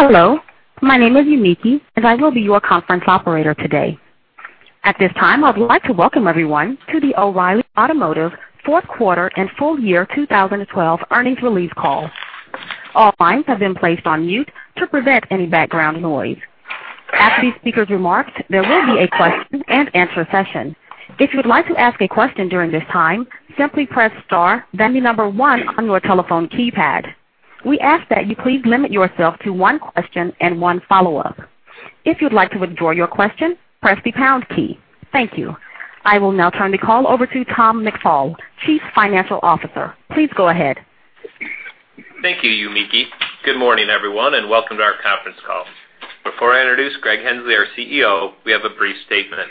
Hello, my name is Yumiki, and I will be your conference operator today. At this time, I would like to welcome everyone to the O’Reilly Automotive fourth quarter and full year 2012 earnings release call. All lines have been placed on mute to prevent any background noise. After the speakers' remarks, there will be a question and answer session. If you would like to ask a question during this time, simply press star, then the number one on your telephone keypad. We ask that you please limit yourself to one question and one follow-up. If you'd like to withdraw your question, press the pound key. Thank you. I will now turn the call over to Tom McFall, Chief Financial Officer. Please go ahead. Thank you, Yumiki. Good morning, everyone, and welcome to our conference call. Before I introduce Greg Henslee, our CEO, we have a brief statement.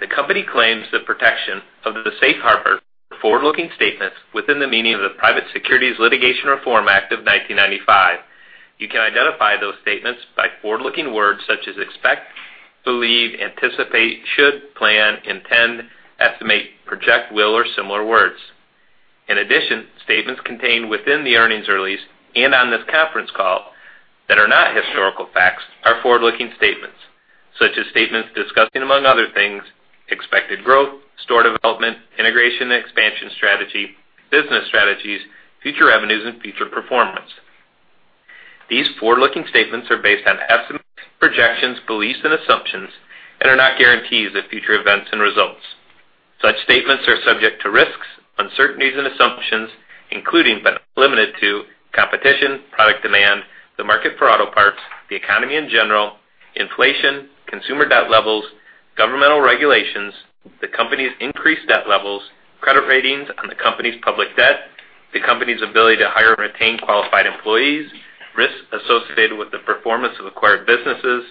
The company claims the protection of the safe harbor for forward-looking statements within the meaning of the Private Securities Litigation Reform Act of 1995. You can identify those statements by forward-looking words such as expect, believe, anticipate, should, plan, intend, estimate, project, will, or similar words. In addition, statements contained within the earnings release and on this conference call that are not historical facts are forward-looking statements, such as statements discussing, among other things, expected growth, store development, integration and expansion strategy, business strategies, future revenues, and future performance. These forward-looking statements are based on estimates, projections, beliefs, and assumptions and are not guarantees of future events and results. Such statements are subject to risks, uncertainties, and assumptions, including but not limited to competition, product demand, the market for auto parts, the economy in general, inflation, consumer debt levels, governmental regulations, the company's increased debt levels, credit ratings on the company's public debt, the company's ability to hire and retain qualified employees, risks associated with the performance of acquired businesses,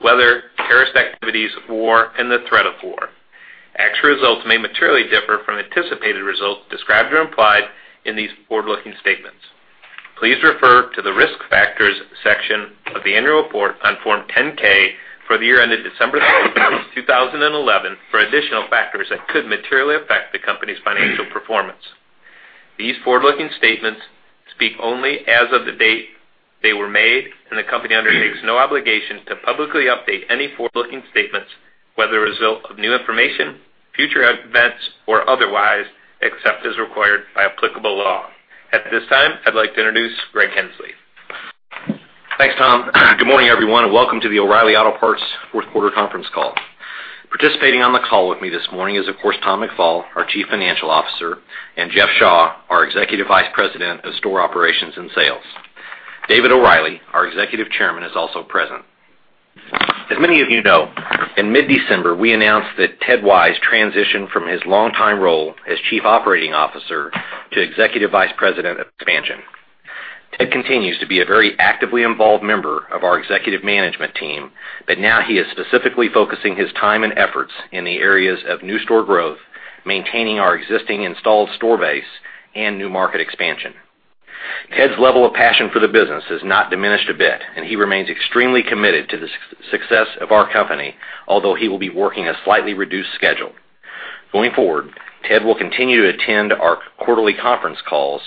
weather, terrorist activities, war, and the threat of war. Actual results may materially differ from anticipated results described or implied in these forward-looking statements. Please refer to the Risk Factors section of the annual report on Form 10-K for the year ended December 31st, 2011, for additional factors that could materially affect the company's financial performance. These forward-looking statements speak only as of the date they were made, and the company undertakes no obligation to publicly update any forward-looking statements, whether as a result of new information, future events, or otherwise, except as required by applicable law. At this time, I'd like to introduce Greg Henslee. Thanks, Tom. Good morning, everyone, welcome to the O’Reilly Auto Parts fourth quarter conference call. Participating on the call with me this morning is, of course, Tom McFall, our Chief Financial Officer, and Jeff Shaw, our Executive Vice President of Store Operations and Sales. David O’Reilly, our Executive Chairman, is also present. As many of you know, in mid-December, we announced that Ted Wise transitioned from his longtime role as Chief Operating Officer to Executive Vice President of Expansion. Ted continues to be a very actively involved member of our executive management team, but now he is specifically focusing his time and efforts in the areas of new store growth, maintaining our existing installed store base, and new market expansion. Ted's level of passion for the business has not diminished a bit, and he remains extremely committed to the success of our company, although he will be working a slightly reduced schedule. Going forward, Ted will continue to attend our quarterly conference calls.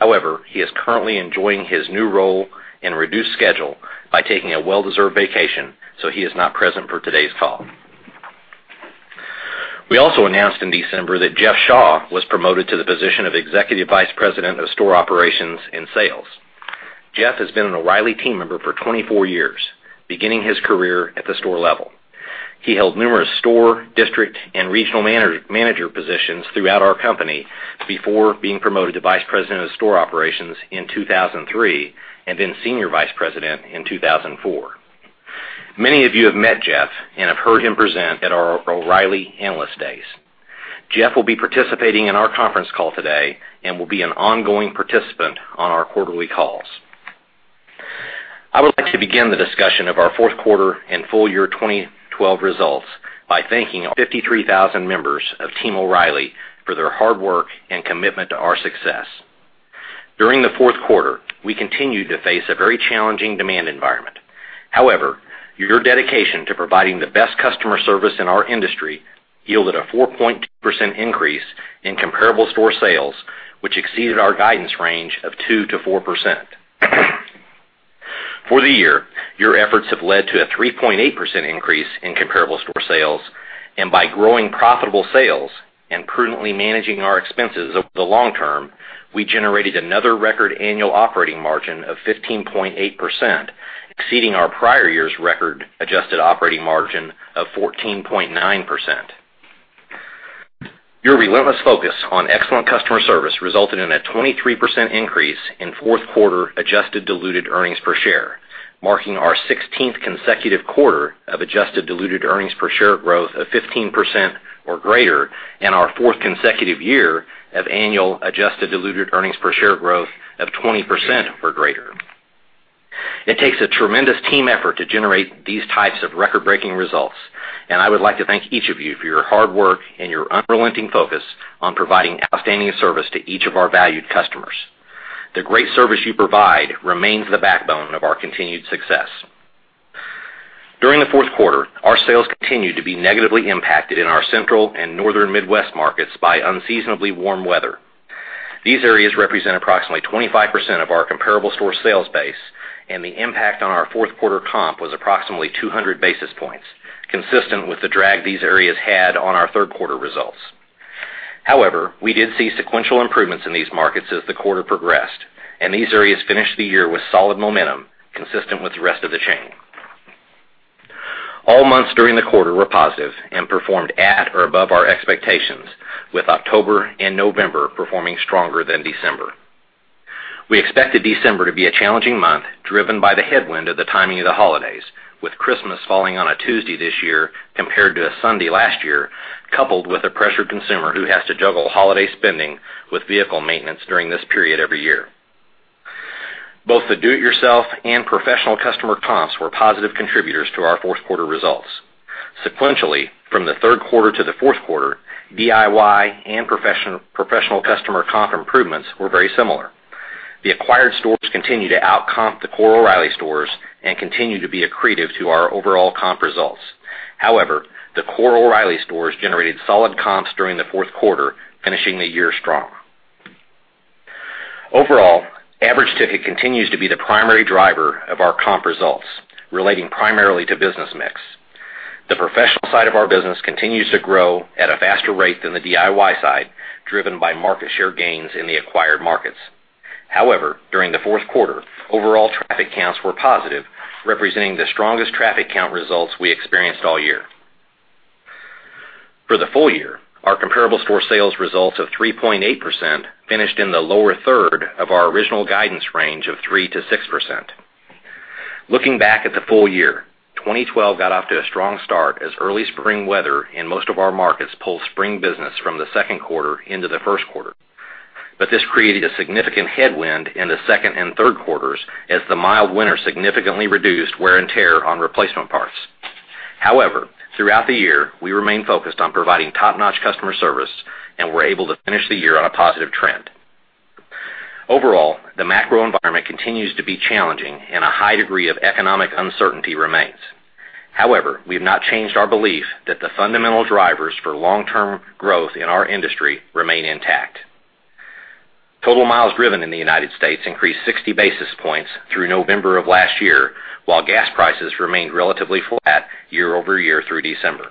However, he is currently enjoying his new role and reduced schedule by taking a well-deserved vacation, so he is not present for today's call. We also announced in December that Jeff Shaw was promoted to the position of Executive Vice President of Store Operations and Sales. Jeff has been an O’Reilly team member for 24 years, beginning his career at the store level. He held numerous store, district, and regional manager positions throughout our company before being promoted to Vice President of Store Operations in 2003 and Senior Vice President in 2004. Many of you have met Jeff and have heard him present at our O’Reilly Analyst Days. Jeff will be participating in our conference call today and will be an ongoing participant on our quarterly calls. I would like to begin the discussion of our fourth quarter and full year 2012 results by thanking our 53,000 members of Team O’Reilly for their hard work and commitment to our success. During the fourth quarter, we continued to face a very challenging demand environment. However, your dedication to providing the best customer service in our industry yielded a 4.2% increase in comparable store sales, which exceeded our guidance range of 2%-4%. For the year, your efforts have led to a 3.8% increase in comparable store sales, and by growing profitable sales and prudently managing our expenses over the long term, we generated another record annual operating margin of 15.8%, exceeding our prior year's record adjusted operating margin of 14.9%. Your relentless focus on excellent customer service resulted in a 23% increase in fourth quarter adjusted diluted earnings per share, marking our 16th consecutive quarter of adjusted diluted earnings per share growth of 15% or greater and our fourth consecutive year of annual adjusted diluted earnings per share growth of 20% or greater. It takes a tremendous team effort to generate these types of record-breaking results, and I would like to thank each of you for your hard work and your unrelenting focus on providing outstanding service to each of our valued customers. The great service you provide remains the backbone of our continued success. During the fourth quarter, our sales continued to be negatively impacted in our central and northern Midwest markets by unseasonably warm weather. These areas represent approximately 25% of our comparable store sales base, and the impact on our fourth quarter comp was approximately 200 basis points, consistent with the drag these areas had on our third quarter results. We did see sequential improvements in these markets as the quarter progressed, and these areas finished the year with solid momentum consistent with the rest of the chain. All months during the quarter were positive and performed at or above our expectations, with October and November performing stronger than December. We expected December to be a challenging month, driven by the headwind of the timing of the holidays, with Christmas falling on a Tuesday this year compared to a Sunday last year, coupled with a pressured consumer who has to juggle holiday spending with vehicle maintenance during this period every year. Both the do-it-yourself and professional customer comps were positive contributors to our fourth quarter results. Sequentially, from the third quarter to the fourth quarter, DIY and professional customer comp improvements were very similar. The acquired stores continue to outcomp the core O’Reilly stores and continue to be accretive to our overall comp results. The core O’Reilly stores generated solid comps during the fourth quarter, finishing the year strong. Overall, average ticket continues to be the primary driver of our comp results, relating primarily to business mix. The professional side of our business continues to grow at a faster rate than the DIY side, driven by market share gains in the acquired markets. During the fourth quarter, overall traffic counts were positive, representing the strongest traffic count results we experienced all year. For the full year, our comparable store sales results of 3.8% finished in the lower third of our original guidance range of 3%-6%. Looking back at the full year, 2012 got off to a strong start as early spring weather in most of our markets pulled spring business from the second quarter into the first quarter. This created a significant headwind in the second and third quarters as the mild winter significantly reduced wear and tear on replacement parts. Throughout the year, we remained focused on providing top-notch customer service and were able to finish the year on a positive trend. Overall, the macro environment continues to be challenging and a high degree of economic uncertainty remains. We have not changed our belief that the fundamental drivers for long-term growth in our industry remain intact. Total miles driven in the U.S. increased 60 basis points through November of last year, while gas prices remained relatively flat year-over-year through December.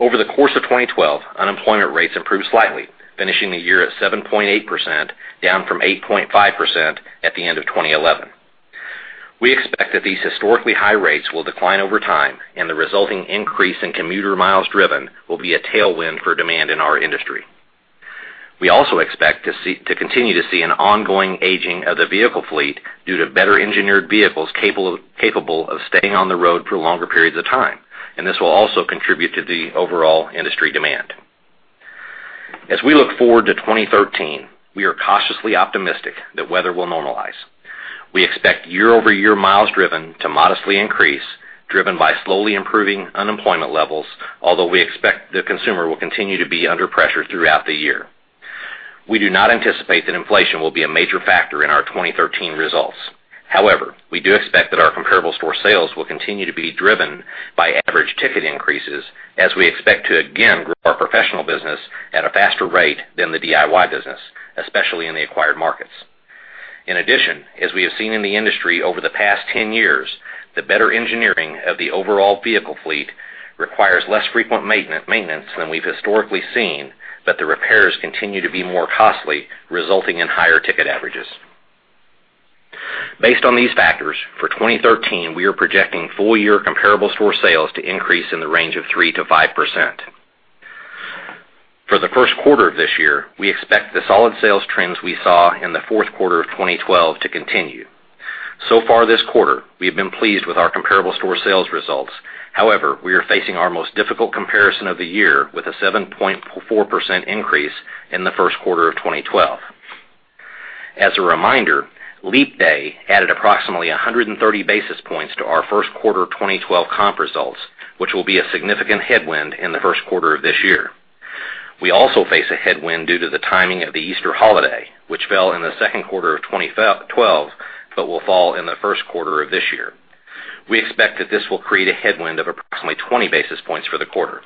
Over the course of 2012, unemployment rates improved slightly, finishing the year at 7.8%, down from 8.5% at the end of 2011. We expect that these historically high rates will decline over time, and the resulting increase in commuter miles driven will be a tailwind for demand in our industry. We also expect to continue to see an ongoing aging of the vehicle fleet due to better-engineered vehicles capable of staying on the road for longer periods of time. This will also contribute to the overall industry demand. As we look forward to 2013, we are cautiously optimistic that weather will normalize. We expect year-over-year miles driven to modestly increase, driven by slowly improving unemployment levels, although we expect the consumer will continue to be under pressure throughout the year. We do not anticipate that inflation will be a major factor in our 2013 results. However, we do expect that our comparable store sales will continue to be driven by average ticket increases as we expect to again grow our professional business at a faster rate than the DIY business, especially in the acquired markets. In addition, as we have seen in the industry over the past 10 years, the better engineering of the overall vehicle fleet requires less frequent maintenance than we've historically seen, but the repairs continue to be more costly, resulting in higher ticket averages. Based on these factors, for 2013, we are projecting full-year comparable store sales to increase in the range of 3%-5%. For the first quarter of this year, we expect the solid sales trends we saw in the fourth quarter of 2012 to continue. So far this quarter, we have been pleased with our comparable store sales results. However, we are facing our most difficult comparison of the year, with a 7.4% increase in the first quarter of 2012. As a reminder, Leap Day added approximately 130 basis points to our first quarter 2012 comp results, which will be a significant headwind in the first quarter of this year. We also face a headwind due to the timing of the Easter holiday, which fell in the second quarter of 2012 but will fall in the first quarter of this year. We expect that this will create a headwind of approximately 20 basis points for the quarter.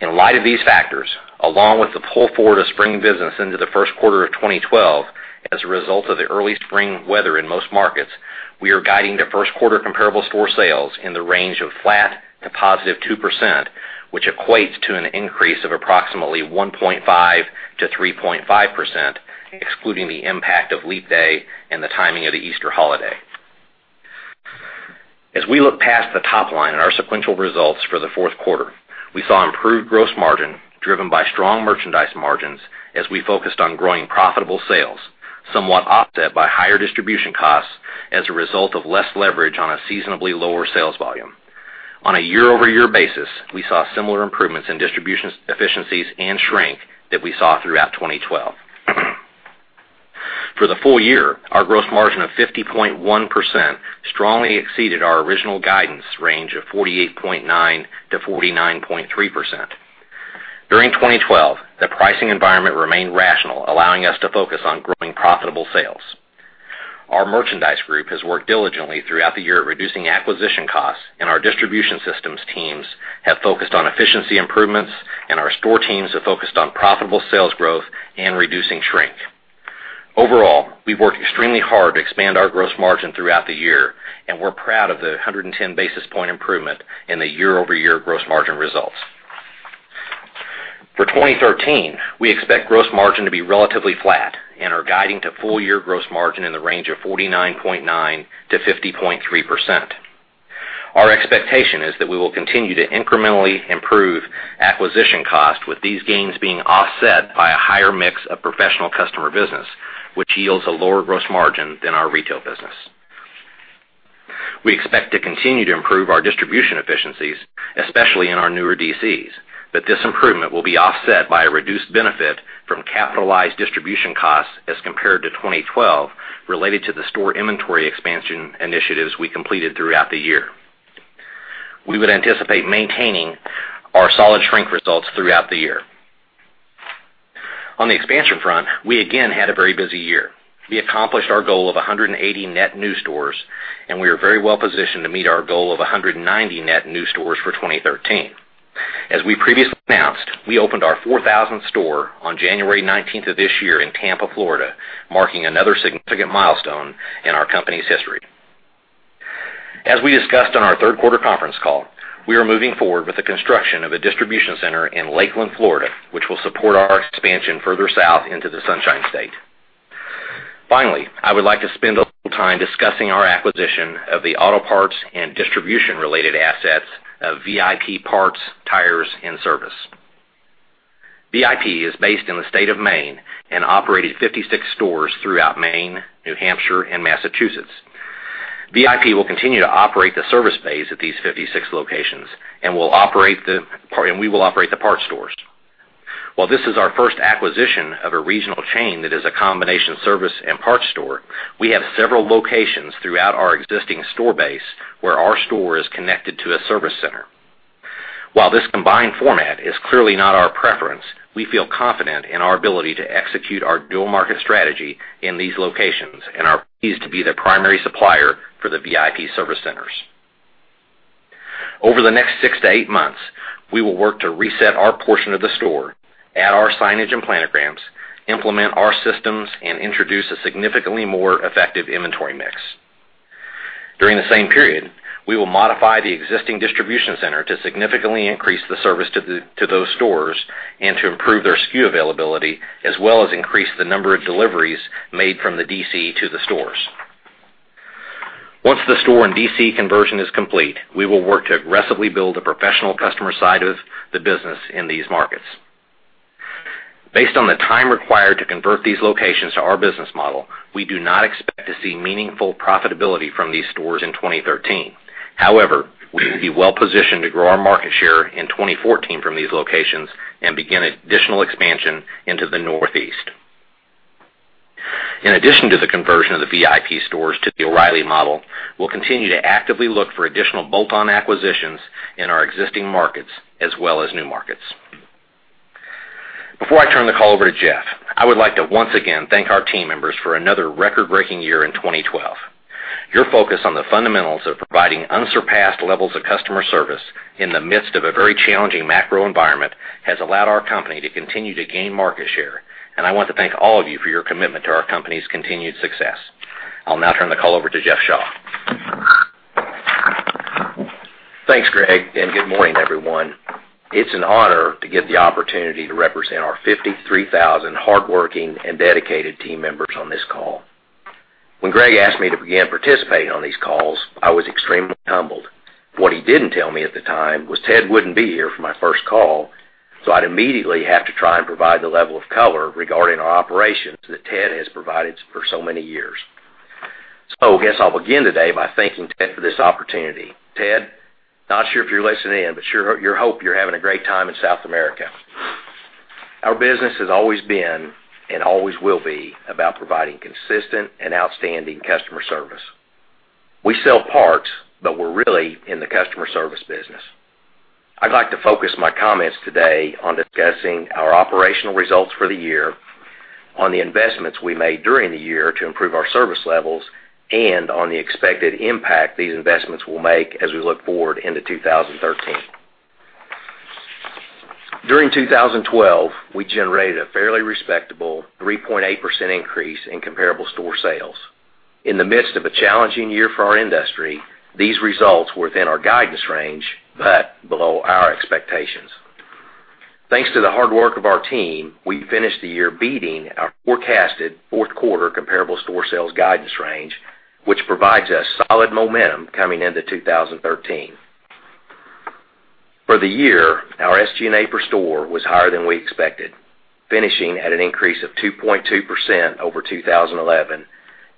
In light of these factors, along with the pull forward of spring business into the first quarter of 2012 as a result of the early spring weather in most markets, we are guiding the first quarter comparable store sales in the range of flat to positive 2%, which equates to an increase of approximately 1.5%-3.5%, excluding the impact of Leap Day and the timing of the Easter holiday. As we look past the top line at our sequential results for the fourth quarter, we saw improved gross margin driven by strong merchandise margins as we focused on growing profitable sales, somewhat offset by higher distribution costs as a result of less leverage on a seasonably lower sales volume. On a year-over-year basis, we saw similar improvements in distribution efficiencies and shrink that we saw throughout 2012. For the full year, our gross margin of 50.1% strongly exceeded our original guidance range of 48.9%-49.3%. During 2012, the pricing environment remained rational, allowing us to focus on growing profitable sales. Our merchandise group has worked diligently throughout the year at reducing acquisition costs. Our distribution systems teams have focused on efficiency improvements. Our store teams have focused on profitable sales growth and reducing shrink. Overall, we've worked extremely hard to expand our gross margin throughout the year, and we're proud of the 110 basis point improvement in the year-over-year gross margin results. For 2013, we expect gross margin to be relatively flat and are guiding to full-year gross margin in the range of 49.9%-50.3%. Our expectation is that we will continue to incrementally improve acquisition cost, with these gains being offset by a higher mix of professional customer business, which yields a lower gross margin than our retail business. We expect to continue to improve our distribution efficiencies, especially in our newer DCs. This improvement will be offset by a reduced benefit from capitalized distribution costs as compared to 2012, related to the store inventory expansion initiatives we completed throughout the year. We would anticipate maintaining our solid shrink results throughout the year. On the expansion front, we again had a very busy year. We accomplished our goal of 180 net new stores, and we are very well positioned to meet our goal of 190 net new stores for 2013. As we previously announced, we opened our 4,000th store on January 19th of this year in Tampa, Florida, marking another significant milestone in our company's history. As we discussed on our third quarter conference call, we are moving forward with the construction of a distribution center in Lakeland, Florida, which will support our expansion further south into the Sunshine State. Finally, I would like to spend a little time discussing our acquisition of the auto parts and distribution-related assets of VIP Parts, Tires, and Service. VIP is based in the state of Maine and operated 56 stores throughout Maine, New Hampshire, and Massachusetts. VIP will continue to operate the service bays at these 56 locations, and we will operate the parts stores. While this is our first acquisition of a regional chain that is a combination service and parts store, we have several locations throughout our existing store base where our store is connected to a service center. While this combined format is clearly not our preference, we feel confident in our ability to execute our dual market strategy in these locations and are pleased to be the primary supplier for the VIP service centers. Over the next six to eight months, we will work to reset our portion of the store, add our signage and planograms, implement our systems, and introduce a significantly more effective inventory mix. During the same period, we will modify the existing distribution center to significantly increase the service to those stores and to improve their SKU availability, as well as increase the number of deliveries made from the DC to the stores. Once the store and DC conversion is complete, we will work to aggressively build a professional customer side of the business in these markets. Based on the time required to convert these locations to our business model, we do not expect to see meaningful profitability from these stores in 2013. However, we will be well positioned to grow our market share in 2014 from these locations and begin additional expansion into the Northeast. In addition to the conversion of the VIP stores to the O’Reilly model, we'll continue to actively look for additional bolt-on acquisitions in our existing markets as well as new markets. Before I turn the call over to Jeff, I would like to once again thank our team members for another record-breaking year in 2012. Your focus on the fundamentals of providing unsurpassed levels of customer service in the midst of a very challenging macro environment has allowed our company to continue to gain market share, and I want to thank all of you for your commitment to our company's continued success. I'll now turn the call over to Jeff Shaw. Thanks, Greg, and good morning, everyone. It's an honor to get the opportunity to represent our 53,000 hardworking and dedicated team members on this call. When Greg asked me to begin participating on these calls, I was extremely humbled. What he didn't tell me at the time was Ted wouldn't be here for my first call, so I'd immediately have to try and provide the level of color regarding our operations that Ted has provided for so many years. I guess I'll begin today by thanking Ted for this opportunity. Ted, not sure if you're listening in, but sure hope you're having a great time in South America. Our business has always been and always will be about providing consistent and outstanding customer service. We sell parts, but we're really in the customer service business. I'd like to focus my comments today on discussing our operational results for the year, on the investments we made during the year to improve our service levels, and on the expected impact these investments will make as we look forward into 2013. During 2012, we generated a fairly respectable 3.8% increase in comparable store sales. In the midst of a challenging year for our industry, these results were within our guidance range but below our expectations. Thanks to the hard work of our team, we finished the year beating our forecasted fourth quarter comparable store sales guidance range, which provides us solid momentum coming into 2013. For the year, our SG&A per store was higher than we expected, finishing at an increase of 2.2% over 2011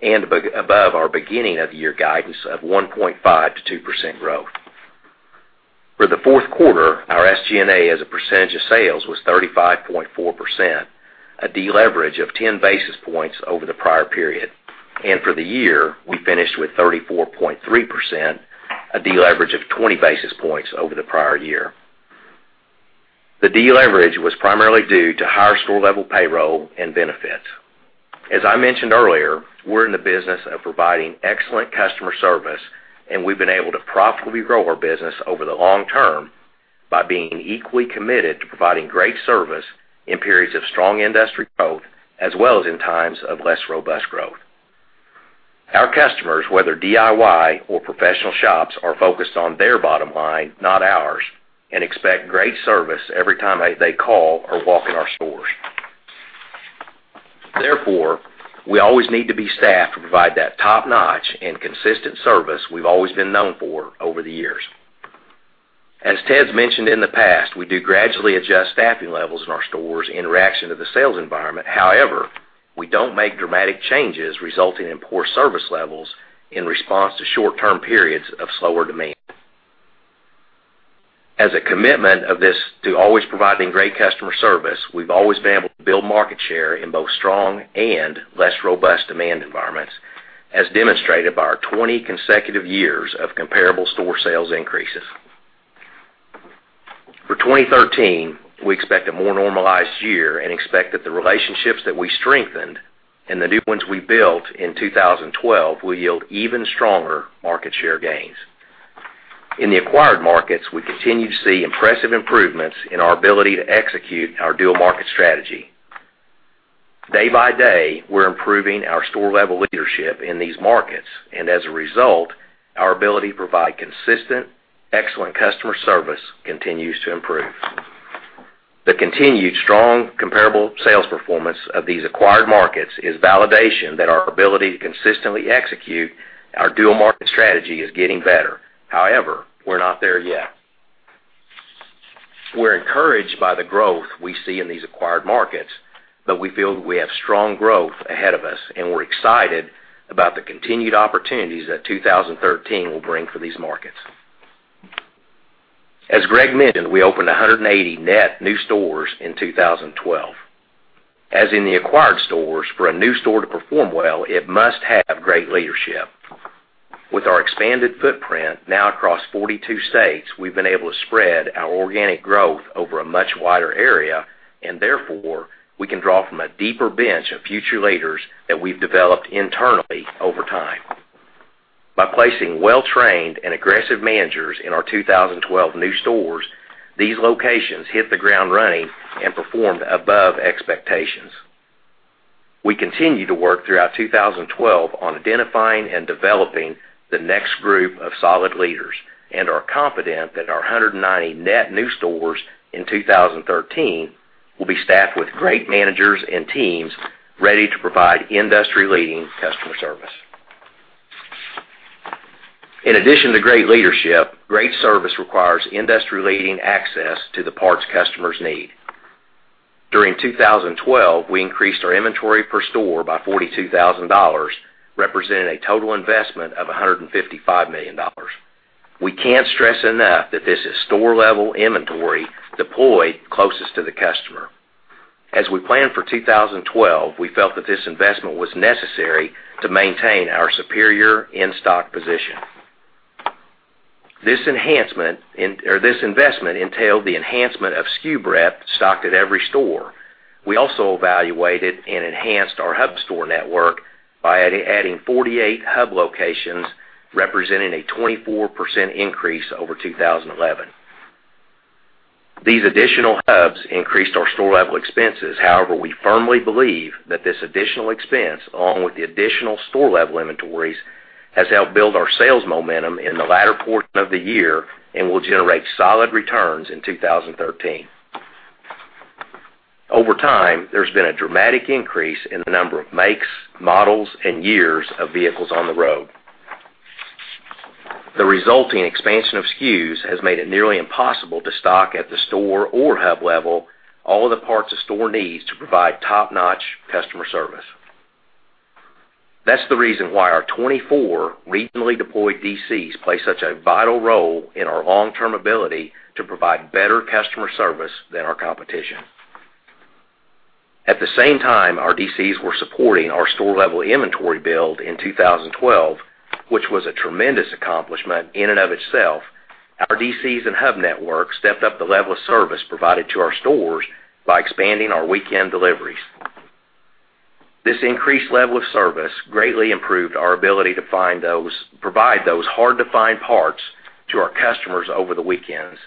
and above our beginning of the year guidance of 1.5%-2% growth. For the fourth quarter, our SG&A as a percentage of sales was 35.4%. A deleverage of 10 basis points over the prior period. For the year, we finished with 34.3%, a deleverage of 20 basis points over the prior year. The deleverage was primarily due to higher store-level payroll and benefits. As I mentioned earlier, we're in the business of providing excellent customer service, and we've been able to profitably grow our business over the long term by being equally committed to providing great service in periods of strong industry growth, as well as in times of less robust growth. Our customers, whether DIY or professional shops, are focused on their bottom line, not ours, and expect great service every time they call or walk in our stores. Therefore, we always need to be staffed to provide that top-notch and consistent service we've always been known for over the years. As Ted's mentioned in the past, we do gradually adjust staffing levels in our stores in reaction to the sales environment. However, we don't make dramatic changes resulting in poor service levels in response to short-term periods of slower demand. As a commitment of this to always providing great customer service, we've always been able to build market share in both strong and less robust demand environments, as demonstrated by our 20 consecutive years of comparable store sales increases. For 2013, we expect a more normalized year and expect that the relationships that we strengthened and the new ones we built in 2012 will yield even stronger market share gains. In the acquired markets, we continue to see impressive improvements in our ability to execute our dual market strategy. Day by day, we're improving our store-level leadership in these markets, and as a result, our ability to provide consistent, excellent customer service continues to improve. The continued strong comparable sales performance of these acquired markets is validation that our ability to consistently execute our dual market strategy is getting better. However, we're not there yet. We're encouraged by the growth we see in these acquired markets, but we feel that we have strong growth ahead of us, and we're excited about the continued opportunities that 2013 will bring for these markets. As Greg mentioned, we opened 180 net new stores in 2012. As in the acquired stores, for a new store to perform well, it must have great leadership. With our expanded footprint now across 42 states, we've been able to spread our organic growth over a much wider area, and therefore, we can draw from a deeper bench of future leaders that we've developed internally over time. By placing well-trained and aggressive managers in our 2012 new stores, these locations hit the ground running and performed above expectations. We continue to work throughout 2012 on identifying and developing the next group of solid leaders and are confident that our 190 net new stores in 2013 will be staffed with great managers and teams ready to provide industry-leading customer service. In addition to great leadership, great service requires industry-leading access to the parts customers need. During 2012, we increased our inventory per store by $42,000, representing a total investment of $155 million. We can't stress enough that this is store-level inventory deployed closest to the customer. As we planned for 2012, we felt that this investment was necessary to maintain our superior in-stock position. This investment entailed the enhancement of SKU breadth stocked at every store. We also evaluated and enhanced our hub store network by adding 48 hub locations, representing a 24% increase over 2011. These additional hubs increased our store-level expenses. However, we firmly believe that this additional expense, along with the additional store-level inventories, has helped build our sales momentum in the latter portion of the year and will generate solid returns in 2013. Over time, there's been a dramatic increase in the number of makes, models, and years of vehicles on the road. The resulting expansion of SKUs has made it nearly impossible to stock at the store or hub level all of the parts a store needs to provide top-notch customer service. That's the reason why our 24 regionally deployed DCs play such a vital role in our long-term ability to provide better customer service than our competition. At the same time, our DCs were supporting our store-level inventory build in 2012, which was a tremendous accomplishment in and of itself. Our DCs and hub network stepped up the level of service provided to our stores by expanding our weekend deliveries. This increased level of service greatly improved our ability to provide those hard-to-find parts to our customers over the weekends,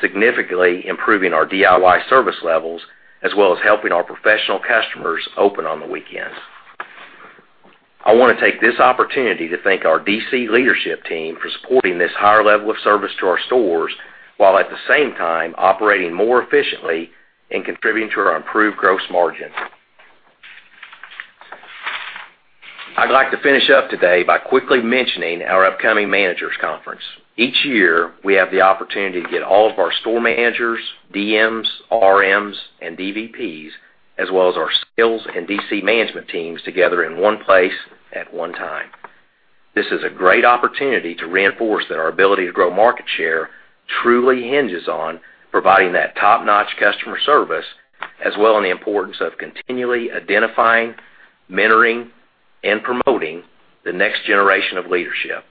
significantly improving our DIY service levels, as well as helping our professional customers open on the weekends. I want to take this opportunity to thank our DC leadership team for supporting this higher level of service to our stores, while at the same time operating more efficiently and contributing to our improved gross margin. I'd like to finish up today by quickly mentioning our upcoming managers conference. Each year, we have the opportunity to get all of our store managers, DMs, RMs, and DVPs, as well as our skills and DC management teams together in one place at one time. This is a great opportunity to reinforce that our ability to grow market share truly hinges on providing that top-notch customer service, as well as the importance of continually identifying, mentoring, and promoting the next generation of leadership,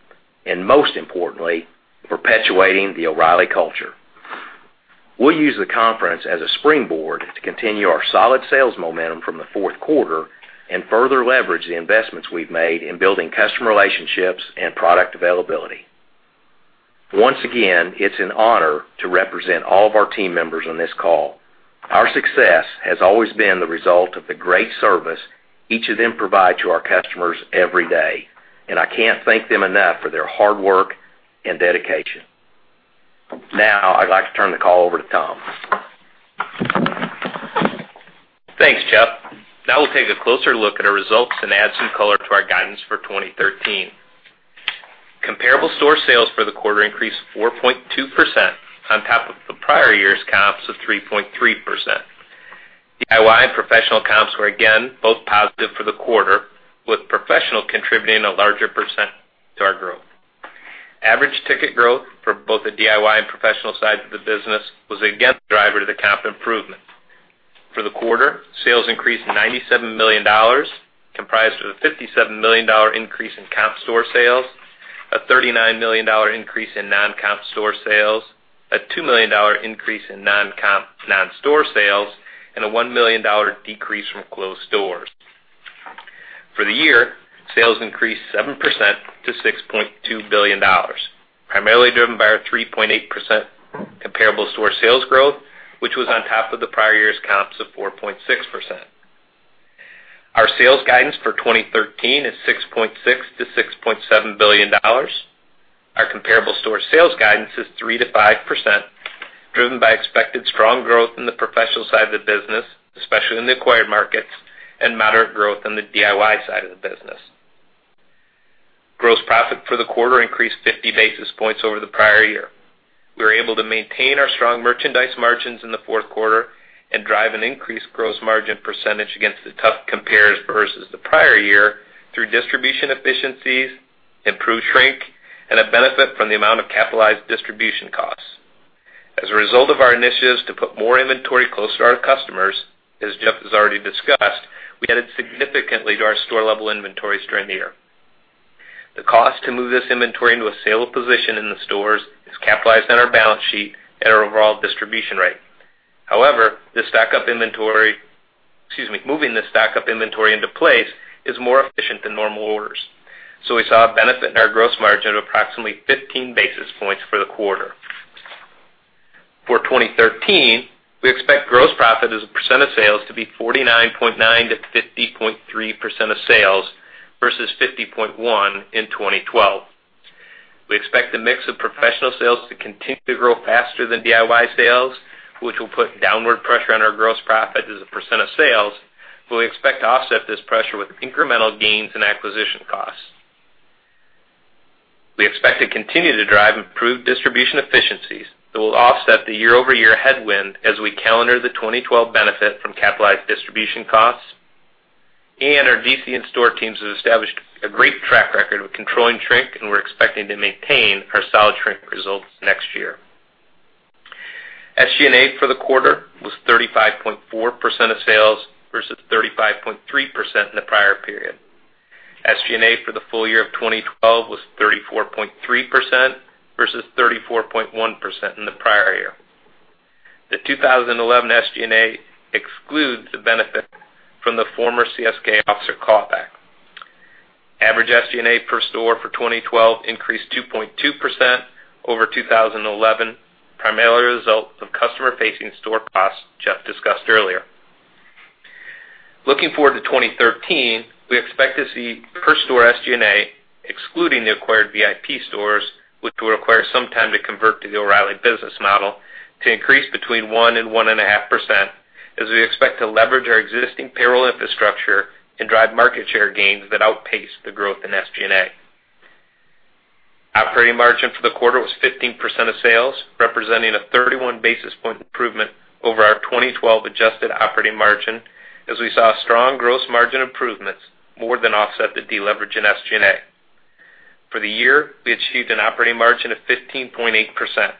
and most importantly, perpetuating the O’Reilly culture. We'll use the conference as a springboard to continue our solid sales momentum from the fourth quarter and further leverage the investments we've made in building customer relationships and product availability. Once again, it's an honor to represent all of our team members on this call. Our success has always been the result of the great service each of them provide to our customers every day. I can't thank them enough for their hard work and dedication. Now, I'd like to turn the call over to Tom. Thanks, Jeff. Now we'll take a closer look at our results and add some color to our guidance for 2013. Comparable store sales for the quarter increased 4.2% on top of the prior year's comps of 3.3%. DIY and professional comps were again both positive for the quarter, with professional contributing a larger % to our growth. Average ticket growth for both the DIY and professional side of the business was again the driver to the comp improvement. For the quarter, sales increased $97 million, comprised of a $57 million increase in comp store sales, a $39 million increase in non-comp store sales, a $2 million increase in non-comp non-store sales, and a $1 million decrease from closed stores. For the year, sales increased 7% to $6.2 billion, primarily driven by our 3.8% comparable store sales growth, which was on top of the prior year's comps of 4.6%. Our sales guidance for 2013 is $6.6 billion-$6.7 billion. Our comparable store sales guidance is 3%-5%, driven by expected strong growth in the professional side of the business, especially in the acquired markets, and moderate growth on the DIY side of the business. Gross profit for the quarter increased 50 basis points over the prior year. We were able to maintain our strong merchandise margins in the fourth quarter and drive an increased gross margin percentage against the tough compares versus the prior year through distribution efficiencies, improved shrink, and a benefit from the amount of capitalized distribution costs. As a result of our initiatives to put more inventory closer to our customers, as Jeff has already discussed, we added significantly to our store-level inventories during the year. The cost to move this inventory into a saleable position in the stores is capitalized on our balance sheet at our overall distribution rate. Moving this stock up inventory into place is more efficient than normal orders. We saw a benefit in our gross margin of approximately 15 basis points for the quarter. For 2013, we expect gross profit as a percent of sales to be 49.9%-50.3% of sales versus 50.1% in 2012. We expect the mix of professional sales to continue to grow faster than DIY sales, which will put downward pressure on our gross profit as a percent of sales, we expect to offset this pressure with incremental gains and acquisition costs. We expect to continue to drive improved distribution efficiencies that will offset the year-over-year headwind as we calendar the 2012 benefit from capitalized distribution costs. Our DC and store teams have established a great track record with controlling shrink, we're expecting to maintain our solid shrink results next year. SG&A for the quarter was 35.4% of sales versus 35.3% in the prior period. SG&A for the full year of 2012 was 34.3% versus 34.1% in the prior year. The 2011 SG&A excludes the benefit from the former CSK officer clawback. Average SG&A per store for 2012 increased 2.2% over 2011, primarily a result of customer-facing store costs Jeff discussed earlier. Looking forward to 2013, we expect to see per-store SG&A, excluding the acquired VIP stores, which will require some time to convert to the O’Reilly business model, to increase between 1% and 1.5% as we expect to leverage our existing payroll infrastructure and drive market share gains that outpace the growth in SG&A. Operating margin for the quarter was 15% of sales, representing a 31-basis-point improvement over our 2012 adjusted operating margin, as we saw strong gross margin improvements more than offset the deleverage in SG&A. For the year, we achieved an operating margin of 15.8%,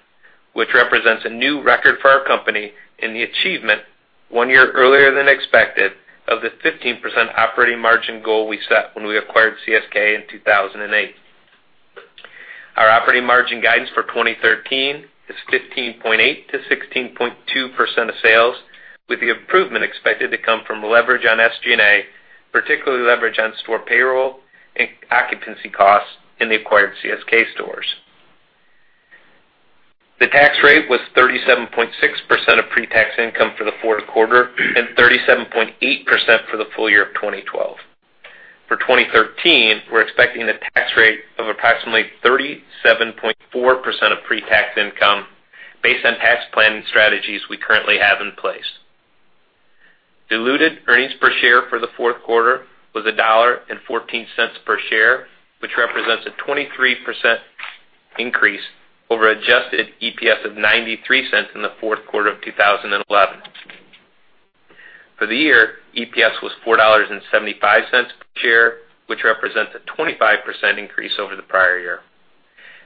which represents a new record for our company and the achievement, one year earlier than expected, of the 15% operating margin goal we set when we acquired CSK in 2008. Our operating margin guidance for 2013 is 15.8%-16.2% of sales, with the improvement expected to come from leverage on SG&A, particularly leverage on store payroll and occupancy costs in the acquired CSK stores. The tax rate was 37.6% of pre-tax income for the fourth quarter and 37.8% for the full year of 2012. For 2013, we're expecting a tax rate of approximately 37.4% of pre-tax income based on tax planning strategies we currently have in place. Diluted earnings per share for the fourth quarter was $1.14 per share, which represents a 23% increase over adjusted EPS of $0.93 in the fourth quarter of 2011. For the year, EPS was $4.75 per share, which represents a 25% increase over the prior year.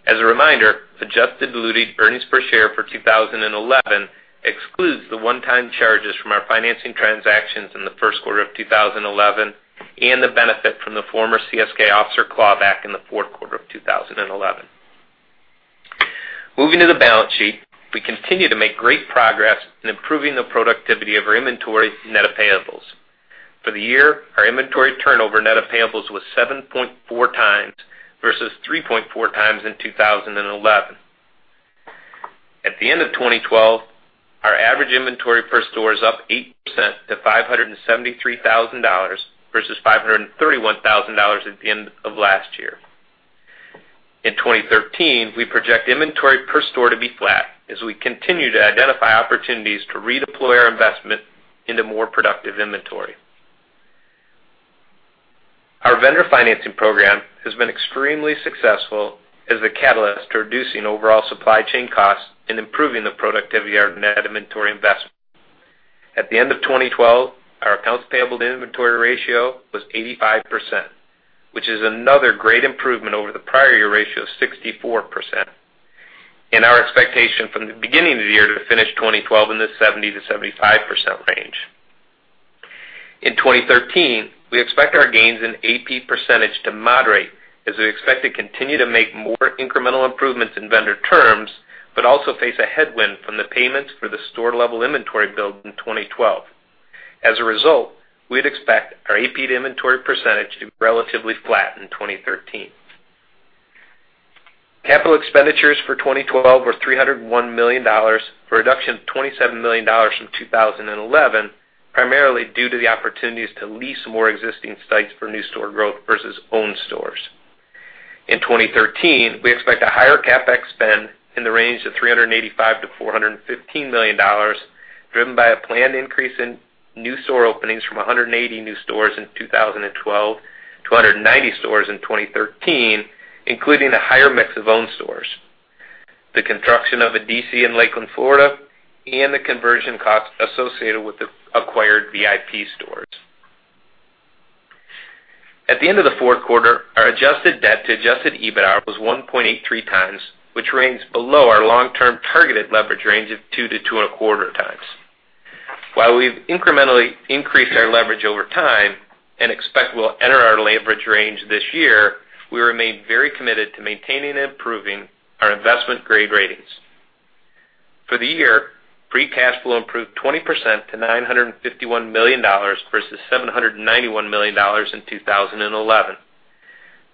As a reminder, adjusted diluted earnings per share for 2011 excludes the one-time charges from our financing transactions in the first quarter of 2011 and the benefit from the former CSK officer clawback in the fourth quarter of 2011. Moving to the balance sheet, we continue to make great progress in improving the productivity of our inventory net of payables. For the year, our inventory turnover net of payables was 7.4 times versus 3.4 times in 2011. At the end of 2012, our average inventory per store is up 8% to $573,000 versus $531,000 at the end of last year. In 2013, we project inventory per store to be flat as we continue to identify opportunities to redeploy our investment into more productive inventory. Our vendor financing program has been extremely successful as the catalyst to reducing overall supply chain costs and improving the productivity of our net inventory investment. At the end of 2012, our accounts payable to inventory ratio was 85%, which is another great improvement over the prior year ratio of 64%. Our expectation from the beginning of the year to finish 2012 in the 70%-75% range. In 2013, we expect our gains in AP percentage to moderate, as we expect to continue to make more incremental improvements in vendor terms, but also face a headwind from the payments for the store-level inventory build in 2012. As a result, we'd expect our AP to inventory percentage to be relatively flat in 2013. Capital expenditures for 2012 were $301 million, a reduction of $27 million from 2011, primarily due to the opportunities to lease more existing sites for new store growth versus owned stores. In 2013, we expect a higher CapEx spend in the range of $385 million-$415 million, driven by a planned increase in new store openings from 180 new stores in 2012 to 190 stores in 2013, including a higher mix of owned stores. The construction of a DC in Lakeland, Florida, and the conversion cost associated with the acquired VIP stores. At the end of the fourth quarter, our adjusted debt to adjusted EBITDA was 1.83 times, which ranks below our long-term targeted leverage range of 2 to 2.25 times. While we've incrementally increased our leverage over time and expect we'll enter our leverage range this year, we remain very committed to maintaining and improving our investment-grade ratings. For the year, free cash flow improved 20% to $951 million versus $791 million in 2011.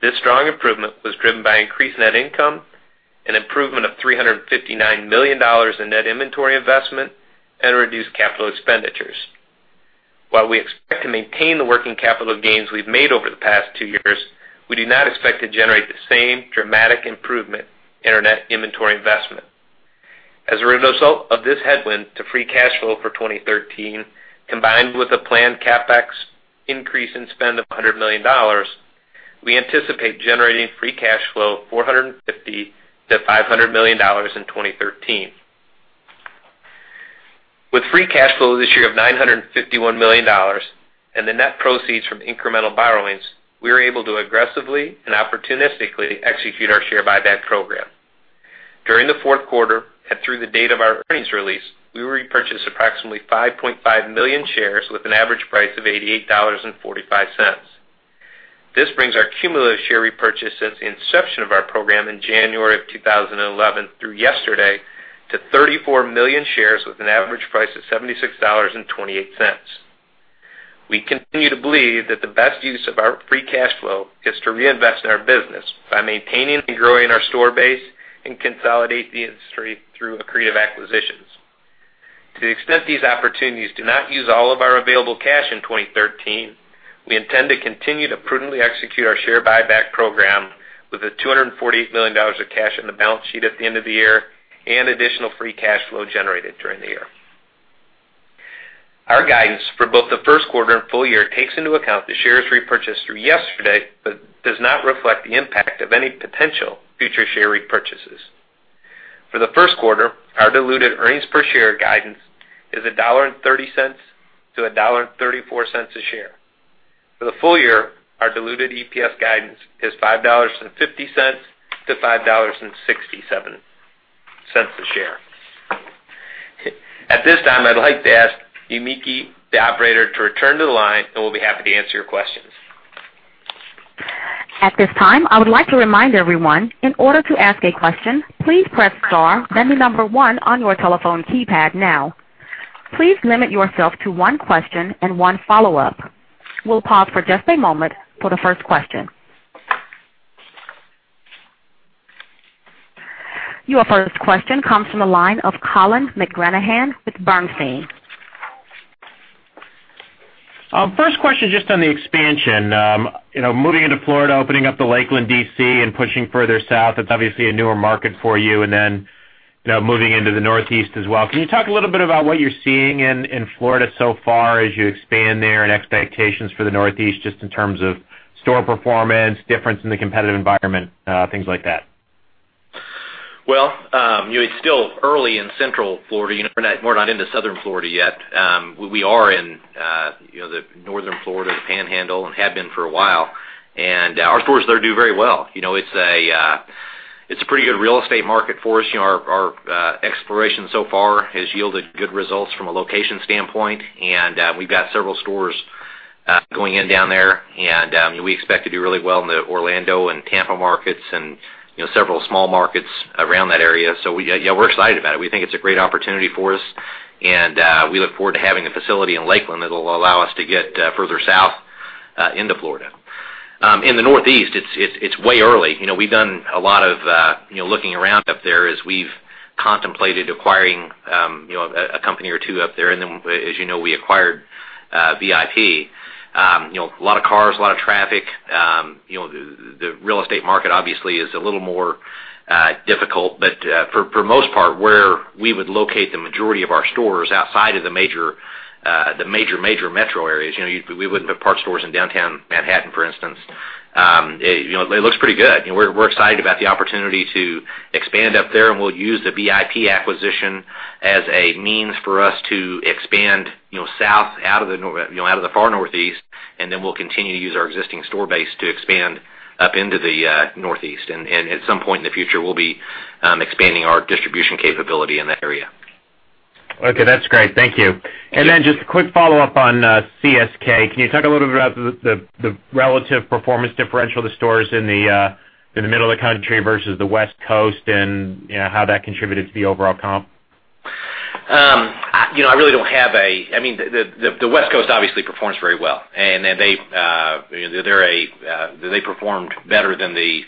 This strong improvement was driven by increased net income, an improvement of $359 million in net inventory investment, and reduced capital expenditures. While we expect to maintain the working capital gains we've made over the past two years, we do not expect to generate the same dramatic improvement in our net inventory investment. As a result of this headwind to free cash flow for 2013, combined with a planned CapEx increase in spend of $100 million, we anticipate generating free cash flow of $450 million-$500 million in 2013. With free cash flow this year of $951 million and the net proceeds from incremental borrowings, we are able to aggressively and opportunistically execute our share buyback program. During the fourth quarter and through the date of our earnings release, we repurchased approximately 5.5 million shares with an average price of $88.45. This brings our cumulative share repurchase since the inception of our program in January of 2011 through yesterday to 34 million shares with an average price of $76.28. We continue to believe that the best use of our free cash flow is to reinvest in our business by maintaining and growing our store base and consolidate the industry through accretive acquisitions. To the extent these opportunities do not use all of our available cash in 2013, we intend to continue to prudently execute our share buyback program with the $248 million of cash on the balance sheet at the end of the year and additional free cash flow generated during the year. Our guidance for both the first quarter and full year takes into account the shares repurchased through yesterday but does not reflect the impact of any potential future share repurchases. For the first quarter, our diluted earnings per share guidance is $1.30-$1.34 a share. For the full year, our diluted EPS guidance is $5.50-$5.67 a share. At this time, I'd like to ask Yumiki, the operator, to return to the line, and we'll be happy to answer your questions. At this time, I would like to remind everyone, in order to ask a question, please press star then the number 1 on your telephone keypad now. Please limit yourself to one question and one follow-up. We'll pause for just a moment for the first question. Your first question comes from the line of Colin McGranahan with Bernstein. First question, just on the expansion. Moving into Florida, opening up the Lakeland DC, pushing further south, that's obviously a newer market for you, moving into the Northeast as well. Can you talk a little bit about what you're seeing in Florida so far as you expand there and expectations for the Northeast just in terms of store performance, difference in the competitive environment, things like that? It's still early in Central Florida. We're not into Southern Florida yet. We are in Northern Florida, the Panhandle, and have been for a while. Our stores there do very well. It's a pretty good real estate market for us. Our exploration so far has yielded good results from a location standpoint, and we've got several stores going in down there, and we expect to do really well in the Orlando and Tampa markets and several small markets around that area. We're excited about it. We think it's a great opportunity for us, and we look forward to having a facility in Lakeland that'll allow us to get further south into Florida. In the Northeast, it's way early. We've done a lot of looking around up there as we've contemplated acquiring a company or two up there, as you know, we acquired VIP. A lot of cars, a lot of traffic. The real estate market obviously is a little more difficult. For the most part, where we would locate the majority of our stores outside of the major metro areas, we wouldn't put parts stores in downtown Manhattan, for instance. It looks pretty good, and we're excited about the opportunity to expand up there, and we'll use the VIP acquisition as a means for us to expand south out of the far Northeast, and then we'll continue to use our existing store base to expand up into the Northeast. At some point in the future, we'll be expanding our distribution capability in that area. Okay. That's great. Thank you. Just a quick follow-up on CSK. Can you talk a little bit about the relative performance differential of the stores in the middle of the country versus the West Coast and how that contributed to the overall comp? The West Coast obviously performs very well. They performed better than the